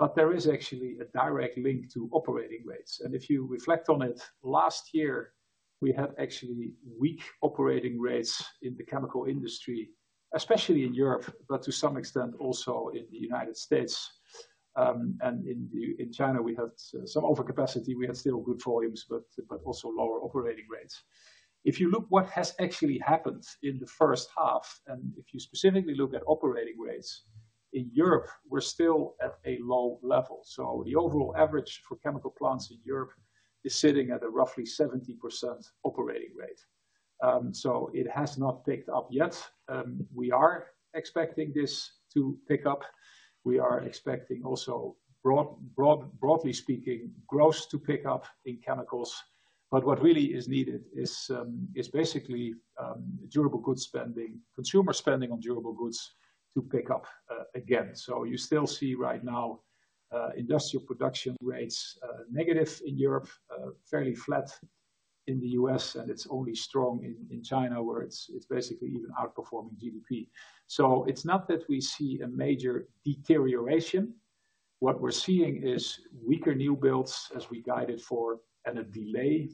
But there is actually a direct link to operating rates. If you reflect on it, last year, we had actually weak operating rates in the chemical industry, especially in Europe, but to some extent, also in the United States. And in China, we had some overcapacity. We had still good volumes, but also lower operating rates. If you look what has actually happened in the first half, and if you specifically look at operating rates, in Europe, we're still at a low level. The overall average for chemical plants in Europe is sitting at a roughly 70% operating rate. So it has not picked up yet. We are expecting this to pick up. We are expecting also broadly speaking, growth to pick up in chemicals. But what really is needed is basically durable good spending, consumer spending on durable goods to pick up, again. So you still see right now, industrial production rates negative in Europe, fairly flat in the U.S., and it's only strong in China, where it's basically even outperforming GDP. So it's not that we see a major deterioration. What we're seeing is weaker new builds as we guided for, and a delay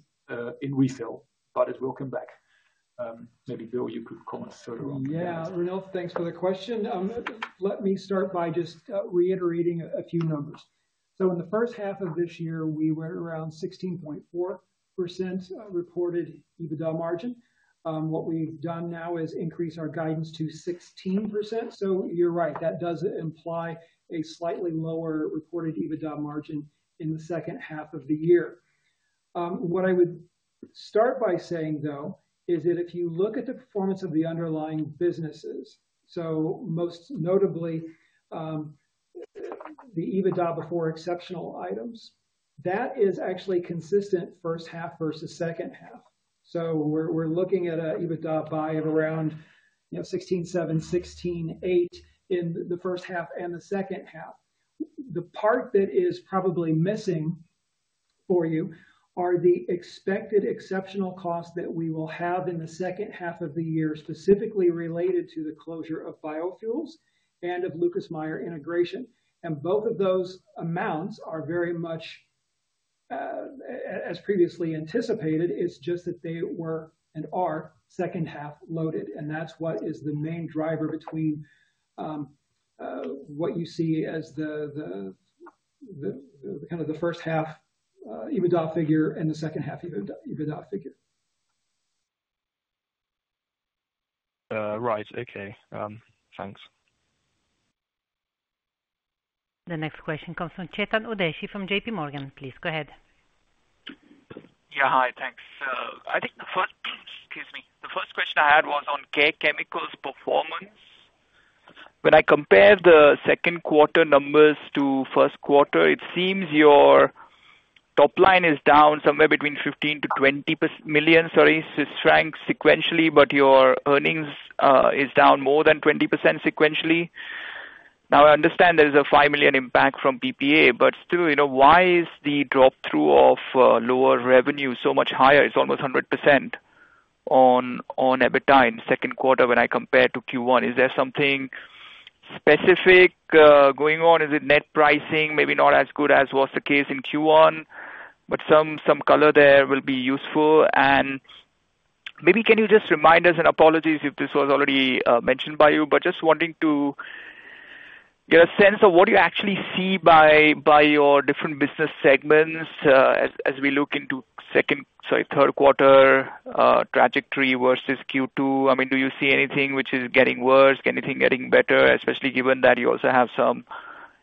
in refill, but it will come back. Maybe, Bill, you could comment further on that. Yeah, Ranulf, thanks for the question. Let me start by just reiterating a few numbers. So in the first half of this year, we were around 16.4% reported EBITDA margin. What we've done now is increase our guidance to 16%. So you're right, that does imply a slightly lower reported EBITDA margin in the second half of the year. What I would start by saying, though, is that if you look at the performance of the underlying businesses, so most notably, the EBITDA before exceptional items, that is actually consistent first half versus second half. So we're, we're looking at an EBITDA of around, you know, 16.7%, 16.8% in the first half and the second half. The part that is probably missing for you are the expected exceptional costs that we will have in the second half of the year, specifically related to the closure of biofuels and of Lucas Meyer integration. Both of those amounts are very much as previously anticipated, it's just that they were and are second half loaded, and that's what is the main driver between what you see as the kind of first half EBITDA figure and the second half EBITDA figure. Right. Okay. Thanks. The next question comes from Chetan Udeshi from JPMorgan. Please, go ahead. Yeah, hi. Thanks. I think the first, excuse me, the first question I had was on Care Chemicals performance. When I compare the second quarter numbers to first quarter, it seems your top line is down somewhere between 15 million-20 million sequentially, but your earnings is down more than 20% sequentially. Now, I understand there is a 5 million impact from PPA, but still, you know, why is the drop through of lower revenue so much higher? It's almost 100% on EBITDA in the second quarter when I compare to Q1. Is there something specific going on? Is it net pricing? Maybe not as good as was the case in Q1, but some color there will be useful. And maybe can you just remind us, and apologies if this was already mentioned by you, but just wanting to get a sense of what you actually see by, by your different business segments, as, as we look into second, sorry, third quarter, trajectory versus Q2. I mean, do you see anything which is getting worse, anything getting better, especially given that you also have some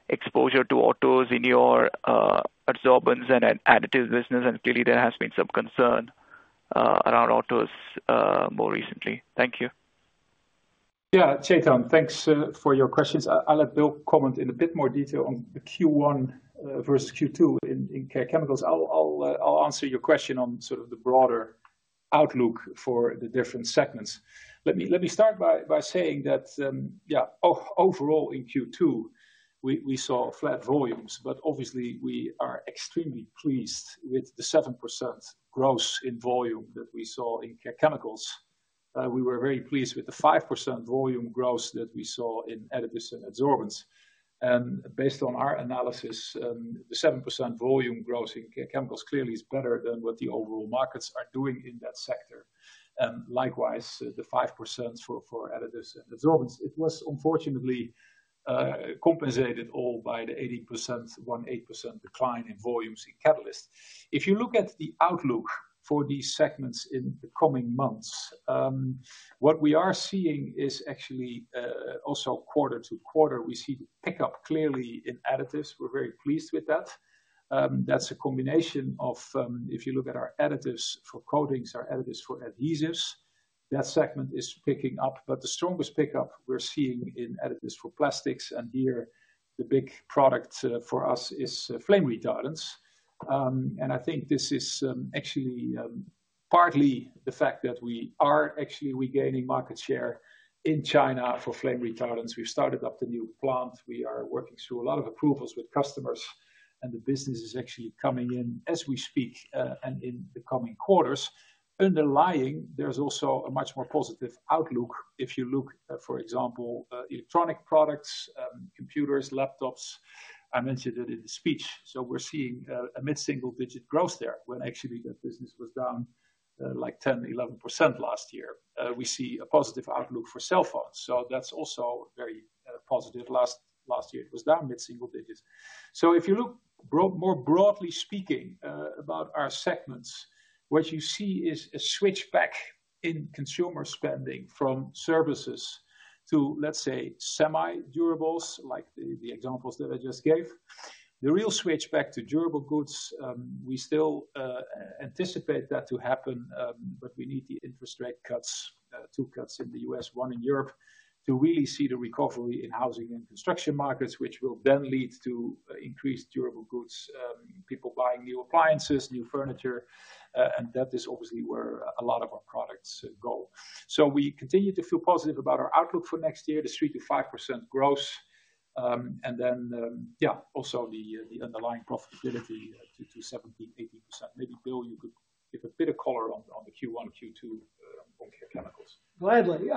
exposure to autos in your Adsorbents & Additives business? And clearly, there has been some concern around autos, more recently. Thank you. Yeah, Chetan, thanks for your questions. I, I'll let Bill comment in a bit more detail on the Q1 versus Q2 in Care Chemicals. I'll answer your question on sort of the broader outlook for the different segments. Let me start by saying that, yeah, overall in Q2, we saw flat volumes, but obviously, we are extremely pleased with the 7% growth in volume that we saw in Care Chemicals. We were very pleased with the 5% volume growth that we saw in Additives and adsorbents. And based on our analysis, the 7% volume growth in Care Chemicals clearly is better than what the overall markets are doing in that sector. Likewise, the 5% for Additives and adsorbents, it was unfortunately compensated all by the 80%, 18% decline in volumes in catalysts. If you look at the outlook for these segments in the coming months, what we are seeing is actually also quarter-to-quarter, we see the pickup clearly in Additives. We're very pleased with that. That's a combination of, if you look at our Additives for coatings, our Additives for adhesives. That segment is picking up, but the strongest pickup we're seeing in Additives for plastics, and here the big product for us is flame retardants. And I think this is actually partly the fact that we are actually regaining market share in China for flame retardants. We started up the new plant. We are working through a lot of approvals with customers, and the business is actually coming in as we speak, and in the coming quarters. Underlying, there's also a much more positive outlook. If you look, for example, electronic products, computers, laptops, I mentioned it in the speech. So we're seeing a mid-single-digit growth there, when actually the business was down, like 10%, 11% last year. We see a positive outlook for cell phones, so that's also very positive. Last year, it was down mid-single digits. So if you look more broadly speaking, about our segments, what you see is a switch back in consumer spending from services to, let's say, semi-durables, like the examples that I just gave. The real switch back to durable goods, we still anticipate that to happen, but we need the interest rate cuts, two cuts in the U.S., one in Europe, to really see the recovery in housing and construction markets, which will then lead to increased durable goods, people buying new appliances, new furniture, and that is obviously where a lot of our products go. So we continue to feel positive about our outlook for next year, the 3%-5% growth. And then, yeah, also the underlying profitability to 70%-80%. Maybe, Bill, you could give a bit of color on the Q1, Q2 on Care Chemicals. Gladly.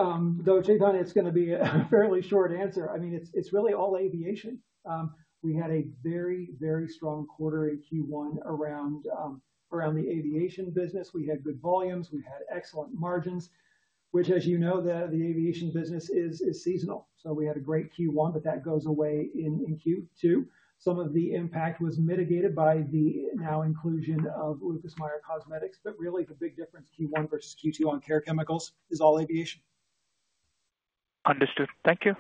Though, Chetan, it's gonna be a fairly short answer. I mean, it's really all aviation. We had a very, very strong quarter in Q1 around the aviation business. We had good volumes, we had excellent margins, which, as you know, the aviation business is seasonal. So we had a great Q1, but that goes away in Q2. Some of the impact was mitigated by the new inclusion of Lucas Meyer Cosmetics, but really, the big difference, Q1 versus Q2 on Care Chemicals is all aviation. Understood. Thank you.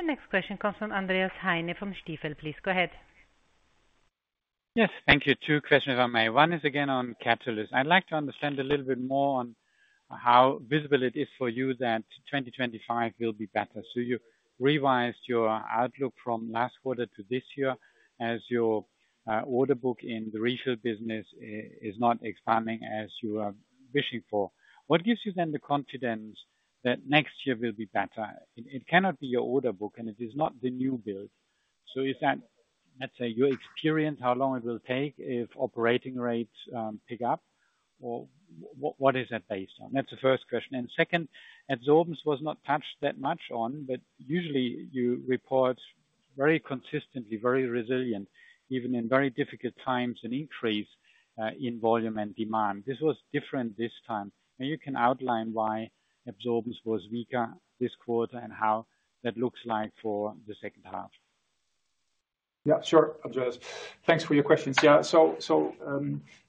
The next question comes from Andreas Heine from Stifel. Please, go ahead. Yes, thank you. Two questions, if I may. One is again on catalyst. I'd like to understand a little bit more on how visible it is for you that 2025 will be better. So you revised your outlook from last quarter to this year as your order book in the refill business is not expanding as you are wishing for. What gives you then the confidence that next year will be better? It cannot be your order book, and it is not the new build. So is that, let's say, your experience, how long it will take if operating rates pick up, or what is that based on? That's the first question. And second, Adsorbents was not touched that much on, but usually you report very consistently, very resilient, even in very difficult times, an increase in volume and demand. This was different this time. Maybe you can outline why Adsorbents was weaker this quarter and how that looks like for the second half? Yeah, sure, Andreas. Thanks for your questions. Yeah, so,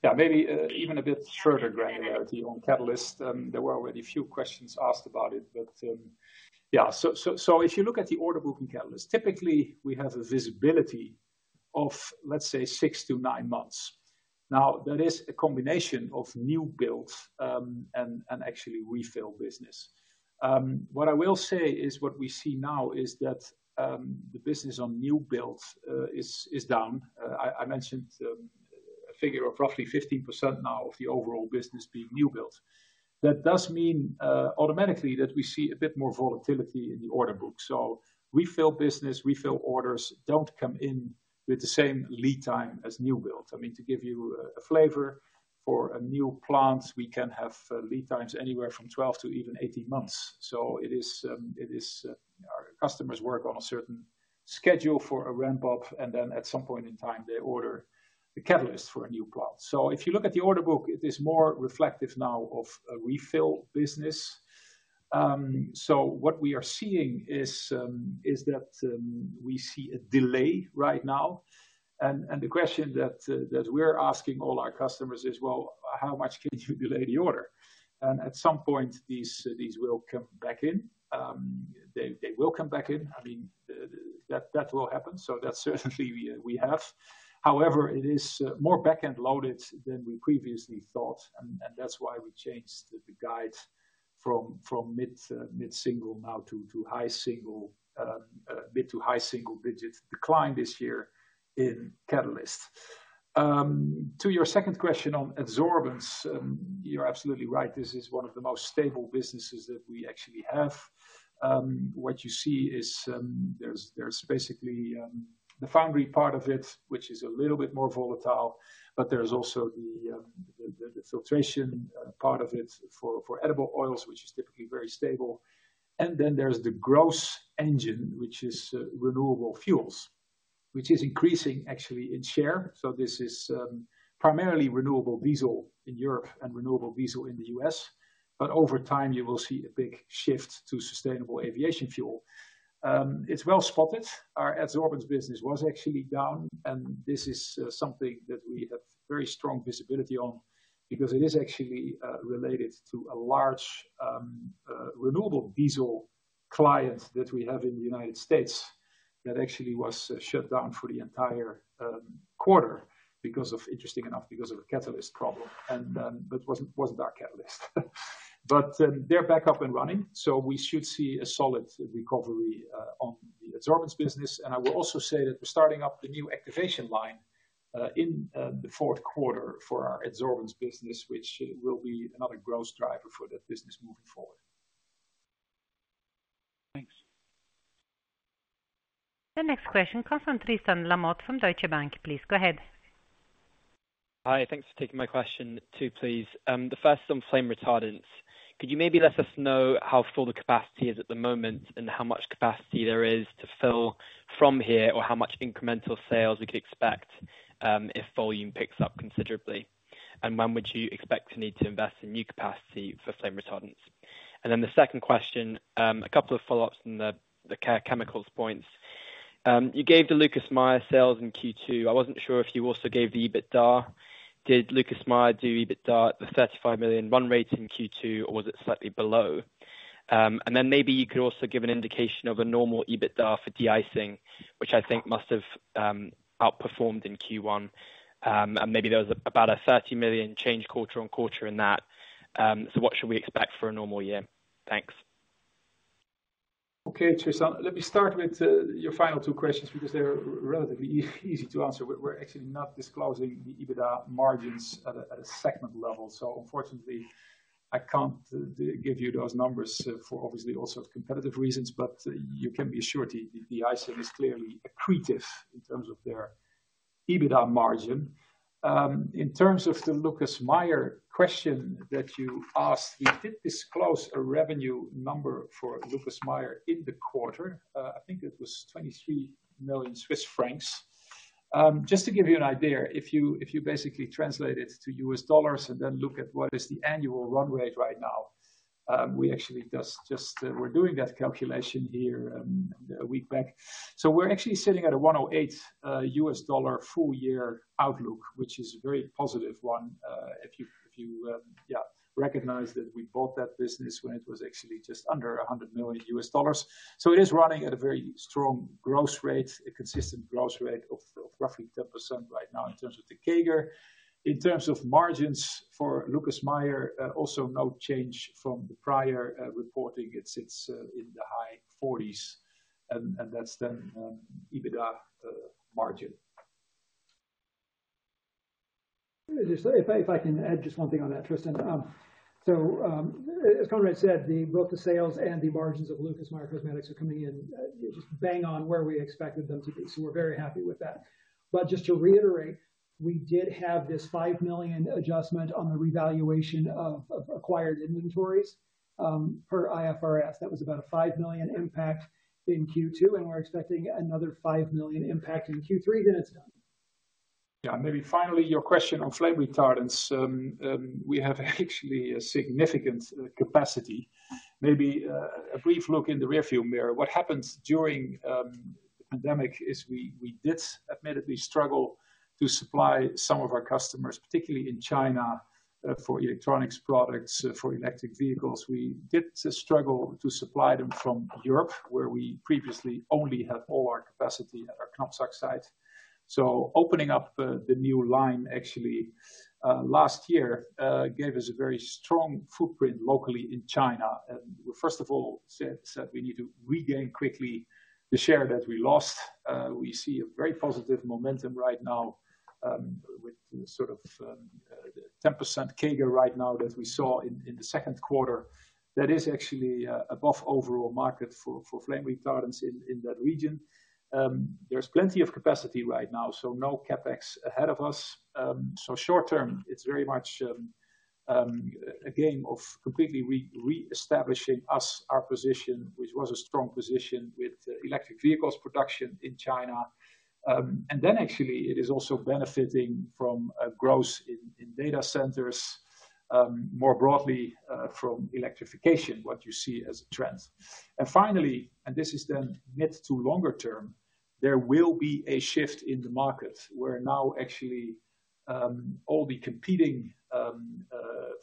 yeah, maybe even a bit shorter granularity on catalyst. There were already a few questions asked about it, but, yeah. So if you look at the order book in catalyst, typically, we have a visibility of, let's say, 6-9 months. Now, there is a combination of new builds, and actually refill business. What I will say is what we see now is that, the business on new builds, is down. I mentioned a figure of roughly 15% now of the overall business being new builds. That does mean automatically that we see a bit more volatility in the order book. So refill business, refill orders don't come in with the same lead time as new builds. I mean, to give you a flavor for a new plant, we can have lead times anywhere from 12 to even 18 months. So it is our customers work on a certain schedule for a ramp-up, and then at some point in time, they order the catalyst for a new plant. So if you look at the order book, it is more reflective now of a refill business. So what we are seeing is that we see a delay right now. And the question that we're asking all our customers is: Well, how much can you delay the order? And at some point, these will come back in. They will come back in. I mean, that will happen, so that's certainly we have. However, it is more back-end loaded than we previously thought, and that's why we changed the guide from mid-single now to high single mid to high single digits decline this year in catalyst. To your second question on Adsorbents, you're absolutely right. This is one of the most stable businesses that we actually have. What you see is, there's basically the foundry part of it, which is a little bit more volatile, but there's also the filtration part of it for edible oils, which is typically very stable. And then there's the growth engine, which is renewable fuels, which is increasing actually in share. So this is primarily renewable diesel in Europe and renewable diesel in the U.S., but over time, you will see a big shift to sustainable aviation fuel. It's well spotted. Our Adsorbents business was actually down, and this is something that we have very strong visibility on because it is actually related to a large renewable diesel client that we have in the United States, that actually was shut down for the entire quarter because of, interesting enough, because of a catalyst problem, and but it wasn't our catalyst. But they're back up and running, so we should see a solid recovery on the Adsorbents business. I will also say that we're starting up the new activation line in the fourth quarter for our Adsorbents business, which will be another growth driver for that business moving forward. Thanks. The next question comes from Tristan Lamotte from Deutsche Bank. Please go ahead. Hi, thanks for taking my question, two please. The first on flame retardants. Could you maybe let us know how full the capacity is at the moment, and how much capacity there is to fill from here, or how much incremental sales we could expect, if volume picks up considerably? And when would you expect to need to invest in new capacity for flame retardants? And then the second question, a couple of follow-ups on the, the Care Chemicals points. You gave the Lucas Meyer sales in Q2. I wasn't sure if you also gave the EBITDA. Did Lucas Meyer do EBITDA at the 35 million run rate in Q2, or was it slightly below? And then maybe you could also give an indication of a normal EBITDA for de-icing, which I think must have, outperformed in Q1. Maybe there was about a 30 million change quarter-over-quarter in that. What should we expect for a normal year? Thanks. Okay, Tristan. Let me start with your final two questions because they're relatively easy to answer. We're actually not disclosing the EBITDA margins at a segment level, so unfortunately, I can't give you those numbers for obviously also competitive reasons, but you can be assured the acquisition is clearly accretive in terms of their EBITDA margin. In terms of the Lucas Meyer question that you asked, we did disclose a revenue number for Lucas Meyer in the quarter. I think it was 23 million Swiss francs. Just to give you an idea, if you basically translate it to U.S. dollars and then look at what is the annual run rate right now, we actually just we're doing that calculation here a week back. So we're actually sitting at a $108 full year outlook, which is a very positive one. If you, if you, yeah, recognize that we bought that business when it was actually just under $100 million. So it is running at a very strong growth rate, a consistent growth rate of, of roughly 10% right now, in terms of the CAGR. In terms of margins for Lucas Meyer, also no change from the prior, reporting. It's, it's, in the high 40%s, and, and that's the, EBITDA, margin. If I can add just one thing on that, Tristan. So, as Conrad said, both the sales and the margins of Lucas Meyer Cosmetics are coming in just bang on where we expected them to be, so we're very happy with that. But just to reiterate, we did have this 5 million adjustment on the revaluation of acquired inventories per IFRS. That was about a 5 million impact in Q2, and we're expecting another 5 million impact in Q3, then it's done. Yeah. Maybe finally, your question on flame retardants. We have actually a significant capacity. Maybe a brief look in the rearview mirror. What happens during the pandemic is we did admittedly struggle to supply some of our customers, particularly in China, for electronics products, for electric vehicles. We did struggle to supply them from Europe, where we previously only had all our capacity at our Knapsack site. So opening up the new line actually last year gave us a very strong footprint locally in China. And first of all, we need to regain quickly the share that we lost. We see a very positive momentum right now with sort of 10% CAGR right now, that we saw in the second quarter. That is actually above overall market for flame retardants in that region. There's plenty of capacity right now, so no CapEx ahead of us. So short term, it's very much a game of completely reestablishing us, our position, which was a strong position with electric vehicles production in China. And then actually, it is also benefiting from a growth in data centers more broadly from electrification, what you see as a trend. And finally, and this is then mid to longer term, there will be a shift in the market, where now actually all the competing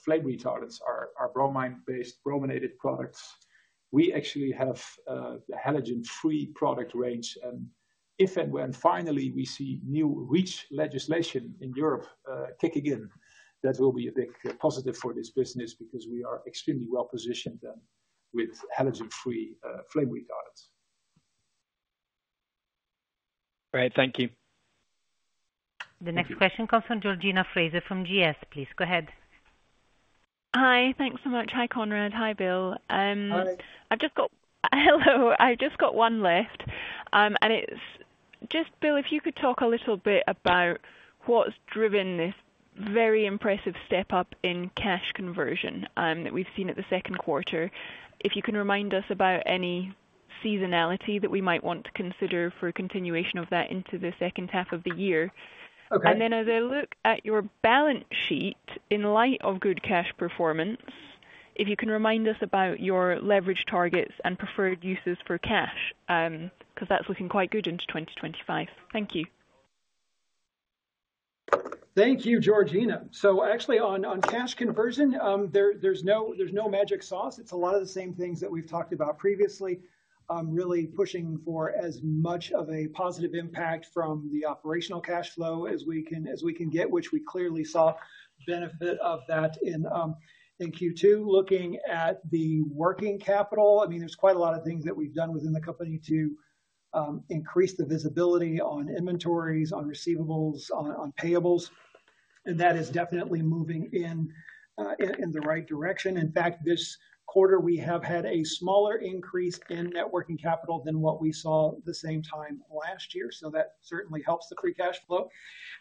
flame retardants are bromine-based, brominated products. We actually have a halogen-free product range, and if and when finally we see new REACH legislation in Europe kicking in, that will be a big positive for this business because we are extremely well positioned then with halogen-free flame retardants. Great. Thank you. The next question comes from Georgina Fraser, from GS. Please go ahead. Hi. Thanks so much. Hi, Conrad. Hi, Bill. Hi. I've just got one left. It's just, Bill, if you could talk a little bit about what's driven this very impressive step up in cash conversion that we've seen at the second quarter. If you can remind us about any seasonality that we might want to consider for a continuation of that into the second half of the year. Okay. And then as I look at your balance sheet, in light of good cash performance, if you can remind us about your leverage targets and preferred uses for cash, because that's looking quite good into 2025. Thank you. Thank you, Georgina. So actually, on cash conversion, there's no magic sauce. It's a lot of the same things that we've talked about previously. Really pushing for as much of a positive impact from the operational cash flow as we can get, which we clearly saw benefit of that in Q2. Looking at the working capital, I mean, there's quite a lot of things that we've done within the company to increase the visibility on inventories, on receivables, on payables, and that is definitely moving in the right direction. In fact, this quarter, we have had a smaller increase in net working capital than what we saw the same time last year, so that certainly helps the free cash flow.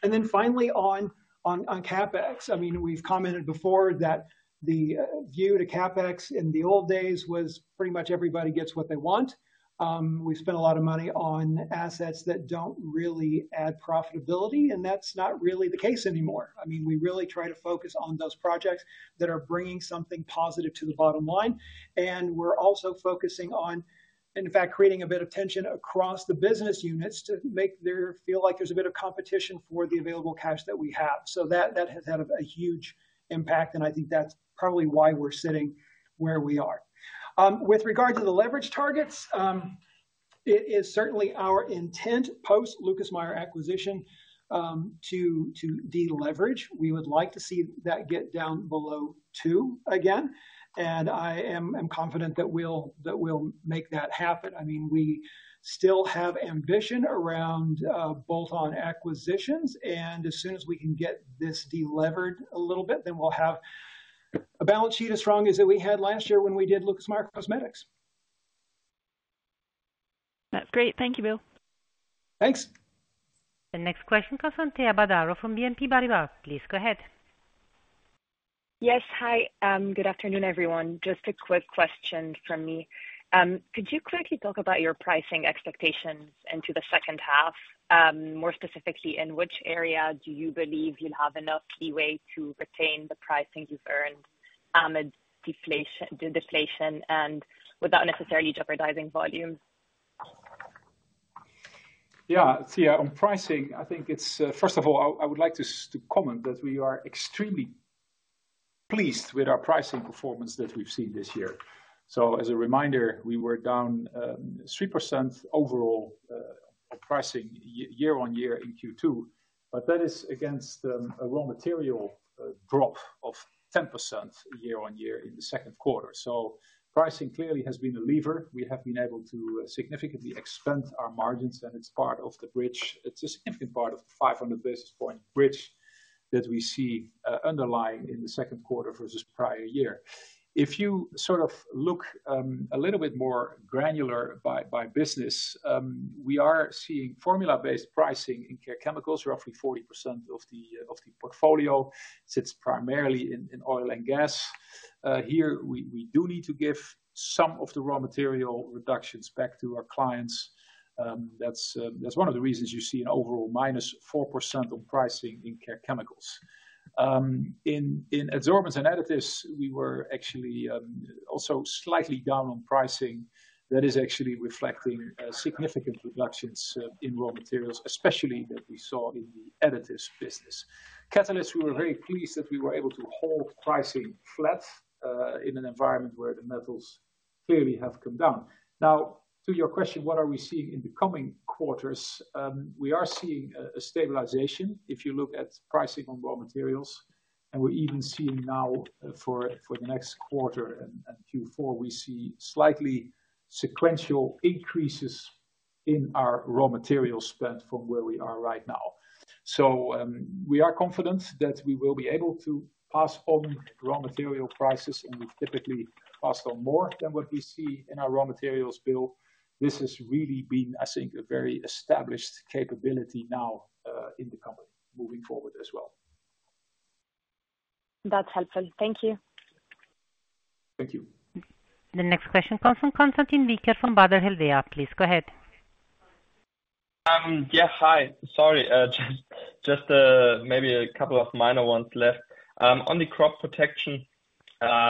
And then finally, on CapEx, I mean, we've commented before that the view to CapEx in the old days was pretty much everybody gets what they want. We spent a lot of money on assets that don't really add profitability, and that's not really the case anymore. I mean, we really try to focus on those projects that are bringing something positive to the bottom line, and we're also focusing on, in fact, creating a bit of tension across the business units to make there feel like there's a bit of competition for the available cash that we have. So that has had a huge impact, and I think that's probably why we're sitting where we are. With regard to the leverage targets, it is certainly our intent, post Lucas Meyer acquisition, to deleverage. We would like to see that get down below two again, and I am, I'm confident that we'll, that we'll make that happen. I mean, we still have ambition around bolt-on acquisitions, and as soon as we can get this delevered a little bit, then we'll have a balance sheet as strong as that we had last year when we did Lucas Meyer Cosmetics. That's great. Thank you, Bill. Thanks! The next question comes from Thea Badaro from BNP Paribas. Please go ahead. Yes. Hi, good afternoon, everyone. Just a quick question from me. Could you quickly talk about your pricing expectations into the second half? More specifically, in which area do you believe you'll have enough leeway to retain the pricing you've earned amid deflation, the deflation and without necessarily jeopardizing volumes? Yeah, see, on pricing, I think it's first of all, I would like to comment that we are extremely pleased with our pricing performance that we've seen this year. So as a reminder, we were down 3% overall on pricing year-on-year in Q2, but that is against a raw material drop of 10% year-on-year in the second quarter. So pricing clearly has been a lever. We have been able to significantly expand our margins, and it's part of the bridge. It's a significant part of the 500 basis point bridge that we see underlying in the second quarter versus prior year. If you sort of look a little bit more granular by business, we are seeing formula-based pricing in Care Chemicals. Roughly 40% of the portfolio sits primarily in oil and gas. Here, we do need to give some of the raw material reductions back to our clients. That's one of the reasons you see an overall -4% on pricing in Care Chemicals. In Adsorbents & Additives, we were actually also slightly down on pricing. That is actually reflecting significant reductions in raw materials, especially that we saw in the Additives business. Catalysts, we were very pleased that we were able to hold pricing flat in an environment where the metals clearly have come down. Now, to your question, what are we seeing in the coming quarters? We are seeing a stabilization if you look at pricing on raw materials, and we're even seeing now for the next quarter and Q4, we see slightly sequential increases in our raw material spend from where we are right now. So, we are confident that we will be able to pass on raw material prices, and we typically pass on more than what we see in our raw materials bill. This has really been, I think, a very established capability now in the company moving forward as well. That's helpful. Thank you. Thank you. The next question comes from Konstantin Wiechert from Baader Helvea. Please go ahead. Yeah, hi. Sorry, just, maybe a couple of minor ones left. On the crop protection,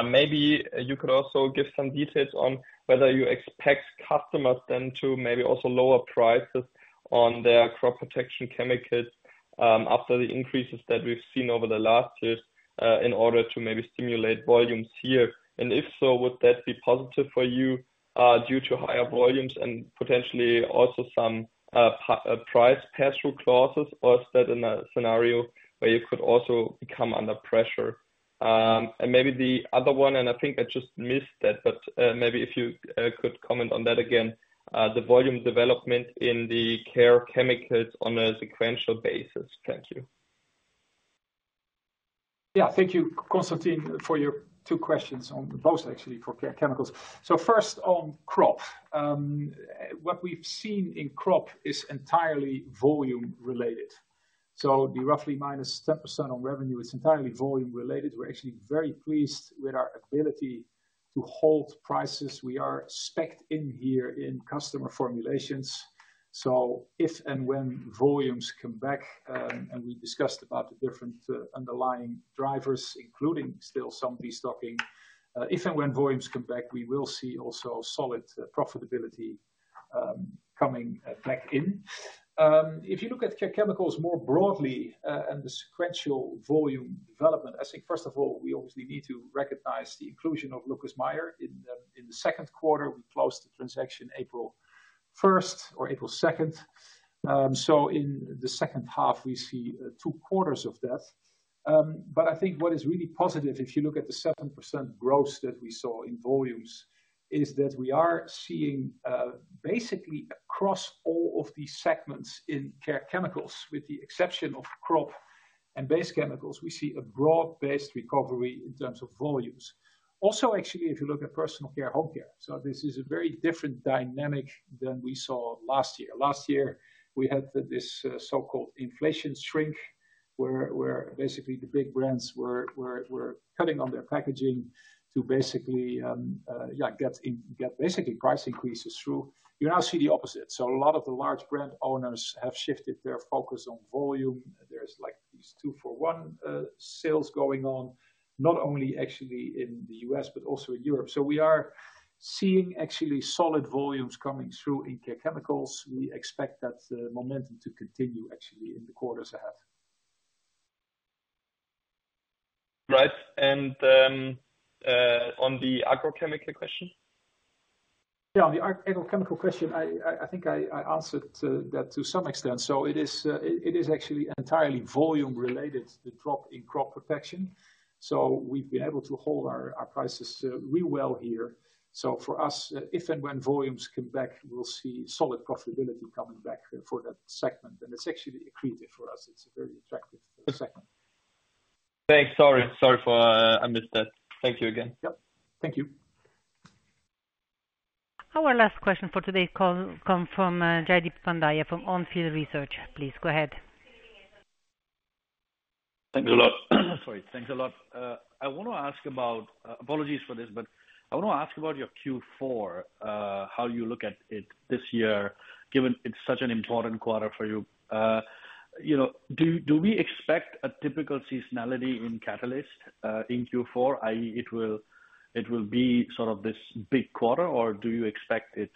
maybe you could also give some details on whether you expect customers then to maybe also lower prices on their crop protection chemicals, after the increases that we've seen over the last years, in order to maybe stimulate volumes here. And if so, would that be positive for you, due to higher volumes and potentially also some price pass-through clauses, or is that in a scenario where you could also come under pressure? And maybe the other one, and I think I just missed that, but, maybe if you could comment on that again, the volume development in the Care Chemicals on a sequential basis. Thank you. Yeah. Thank you, Konstantin, for your two questions on both actually, for Care Chemicals. So first on crop. What we've seen in crop is entirely volume related, so the roughly minus 10% on revenue is entirely volume related. We're actually very pleased with our ability to hold prices. We are spec'd in here in customer formulations, so if and when volumes come back, and we discussed about the different, underlying drivers, including still some restocking. If and when volumes come back, we will see also solid profitability, coming back in. If you look at Care Chemicals more broadly, and the sequential volume development, I think first of all, we obviously need to recognize the inclusion of Lucas Meyer in the, in the second quarter. We closed the transaction April first or April second. So in the second half, we see two quarters of that. But I think what is really positive, if you look at the 7% growth that we saw in volumes, is that we are seeing basically across all of these segments in Care Chemicals, with the exception of crop and base chemicals, we see a broad-based recovery in terms of volumes. Also, actually, if you look at personal care, home care. So this is a very different dynamic than we saw last year. Last year, we had this so-called inflation shrink, where basically the big brands were cutting on their packaging to basically get basically price increases through. You now see the opposite. So a lot of the large brand owners have shifted their focus on volume. There's like these two-for-one sales going on, not only actually in the U.S., but also in Europe. So we are seeing actually solid volumes coming through in Care Chemicals. We expect that momentum to continue, actually, in the quarters ahead. Right. And on the agrochemical question? Yeah, on the agrochemical question, I think I answered that to some extent. So it is actually entirely volume related, the drop in crop protection. So we've been able to hold our prices really well here. So for us, if and when volumes come back, we'll see solid profitability coming back for that segment, and it's actually accretive for us. It's a very attractive segment. Thanks. Sorry, sorry for, I missed that. Thank you again. Yep. Thank you. Our last question for today comes from Jaideep Pandya from On Field Research. Please go ahead. Thanks a lot. Sorry. Thanks a lot. I wanna ask about... apologies for this, but I wanna ask about your Q4, how you look at it this year, given it's such an important quarter for you. You know, do we expect a typical seasonality in catalyst in Q4? i.e., it will be sort of this big quarter, or do you expect it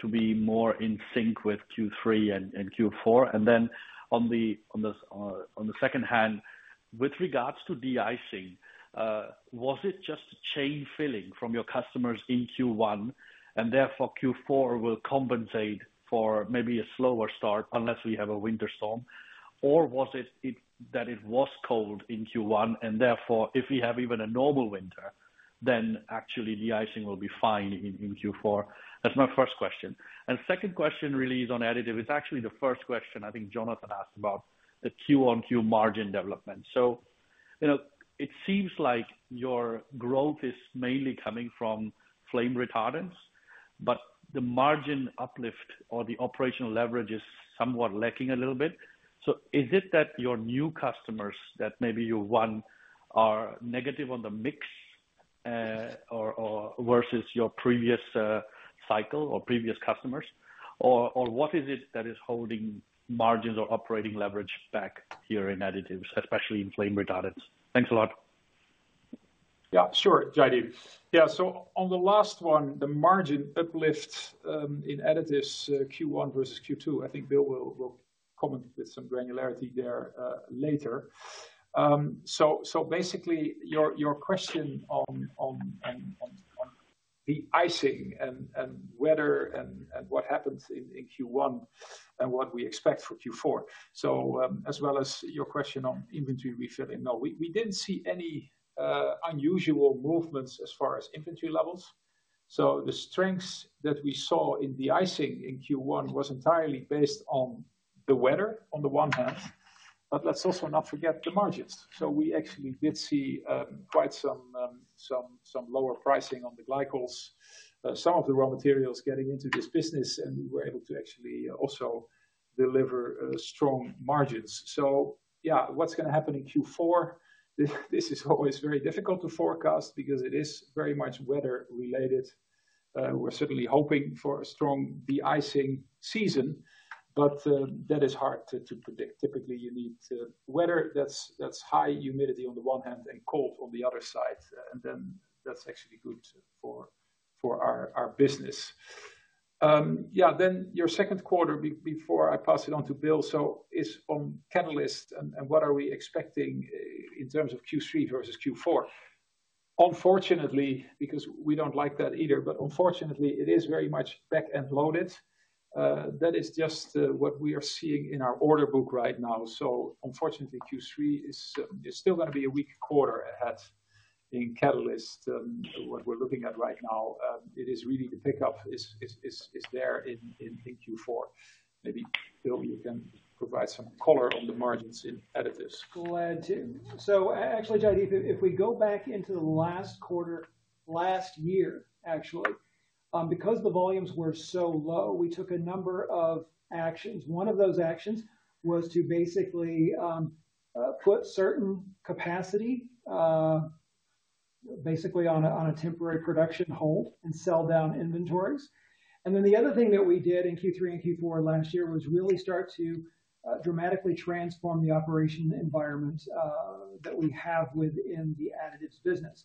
to be more in sync with Q3 and Q4? And then on the second hand, with regards to de-icing, was it just a chain filling from your customers in Q1, and therefore Q4 will compensate for maybe a slower start unless we have a winter storm? Or was it that it was cold in Q1, and therefore, if we have even a normal winter, then actually de-icing will be fine in Q4? That's my first question. Second question really is on Additives. It's actually the first question I think Jonathan asked about the Q-on-Q margin development. So, you know, it seems like your growth is mainly coming from flame retardants, but the margin uplift or the operational leverage is somewhat lacking a little bit. So is it that your new customers, that maybe you won, are negative on the mix, or, or versus your previous cycle or previous customers? Or, or what is it that is holding margins or operating leverage back here in Additives, especially in flame retardants? Thanks a lot. Yeah, sure, Jaideep. Yeah, so on the last one, the margin uplift, in Additives, Q1 versus Q2, I think Bill will comment with some granularity there, later. So basically, your question on de-icing and weather and what happens in Q1 and what we expect for Q4. So, as well as your question on inventory refilling. No, we didn't see any unusual movements as far as inventory levels. So the strengths that we saw in de-icing in Q1 was entirely based on the weather, on the one hand, but let's also not forget the margins. So we actually did see quite some lower pricing on the glycols, some of the raw materials getting into this business, and we were able to actually also deliver strong margins. So yeah, what's gonna happen in Q4? This is always very difficult to forecast because it is very much weather related. We're certainly hoping for a strong de-icing season, but that is hard to predict. Typically, you need weather that's high humidity on the one hand and cold on the other side, and then that's actually good for our business. Yeah, then your second question, before I pass it on to Bill, so is on catalysts and what are we expecting in terms of Q3 versus Q4? Unfortunately, because we don't like that either, but unfortunately, it is very much back end loaded. That is just what we are seeing in our order book right now. So unfortunately, Q3 is still gonna be a weak quarter ahead in catalysts. What we're looking at right now, it is really the pickup is there in Q4. Maybe, Bill, you can provide some color on the margins in Additives. Glad to. So actually, Jaideep, if we go back into the last quarter, last year, actually, because the volumes were so low, we took a number of actions. One of those actions was to basically put certain capacity basically on a temporary production hold and sell down inventories. And then the other thing that we did in Q3 and Q4 last year, was really start to dramatically transform the operation environment that we have within the Additives business.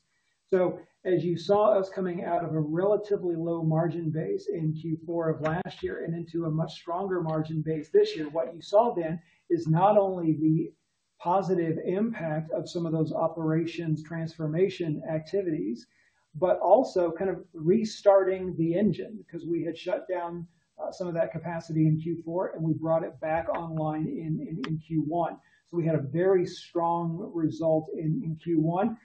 So as you saw us coming out of a relatively low margin base in Q4 of last year, and into a much stronger margin base this year, what you saw then is not only the positive impact of some of those operations transformation activities, but also kind of restarting the engine. 'Cause we had shut down some of that capacity in Q4, and we brought it back online in Q1. So we had a very strong result in Q1.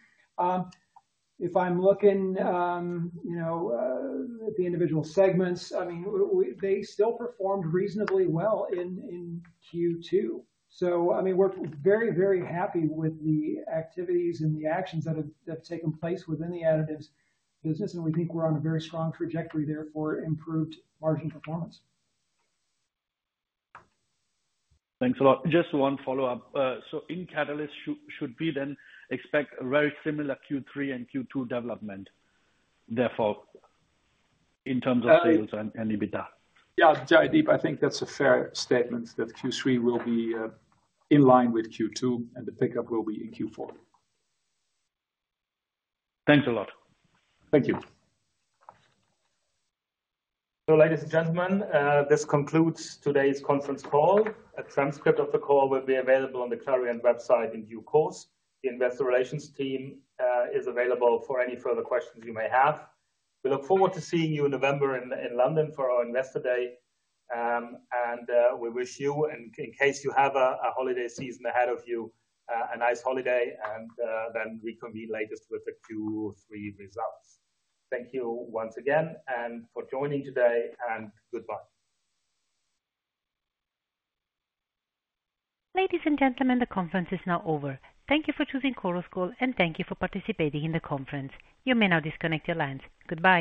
If I'm looking, you know, at the individual segments, I mean, they still performed reasonably well in Q2. So I mean, we're very, very happy with the activities and the actions that have taken place within the Additives business, and we think we're on a very strong trajectory there for improved margin performance. Thanks a lot. Just one follow-up. So in catalyst, should we then expect a very similar Q3 and Q2 development, therefore, in terms of sales and, and EBITDA? Yeah, Jaideep, I think that's a fair statement, that Q3 will be in line with Q2, and the pickup will be in Q4. Thanks a lot. Thank you. So ladies and gentlemen, this concludes today's conference call. A transcript of the call will be available on the Clariant website in due course. The Investor Relations team is available for any further questions you may have. We look forward to seeing you in November in London for our Investor Day. And we wish you, and in case you have a holiday season ahead of you, a nice holiday and then we convene latest with the Q3 results. Thank you once again and for joining today, and goodbye. Ladies and gentlemen, the conference is now over. Thank you for choosing Chorus Call, and thank you for participating in the conference. You may now disconnect your lines. Goodbye.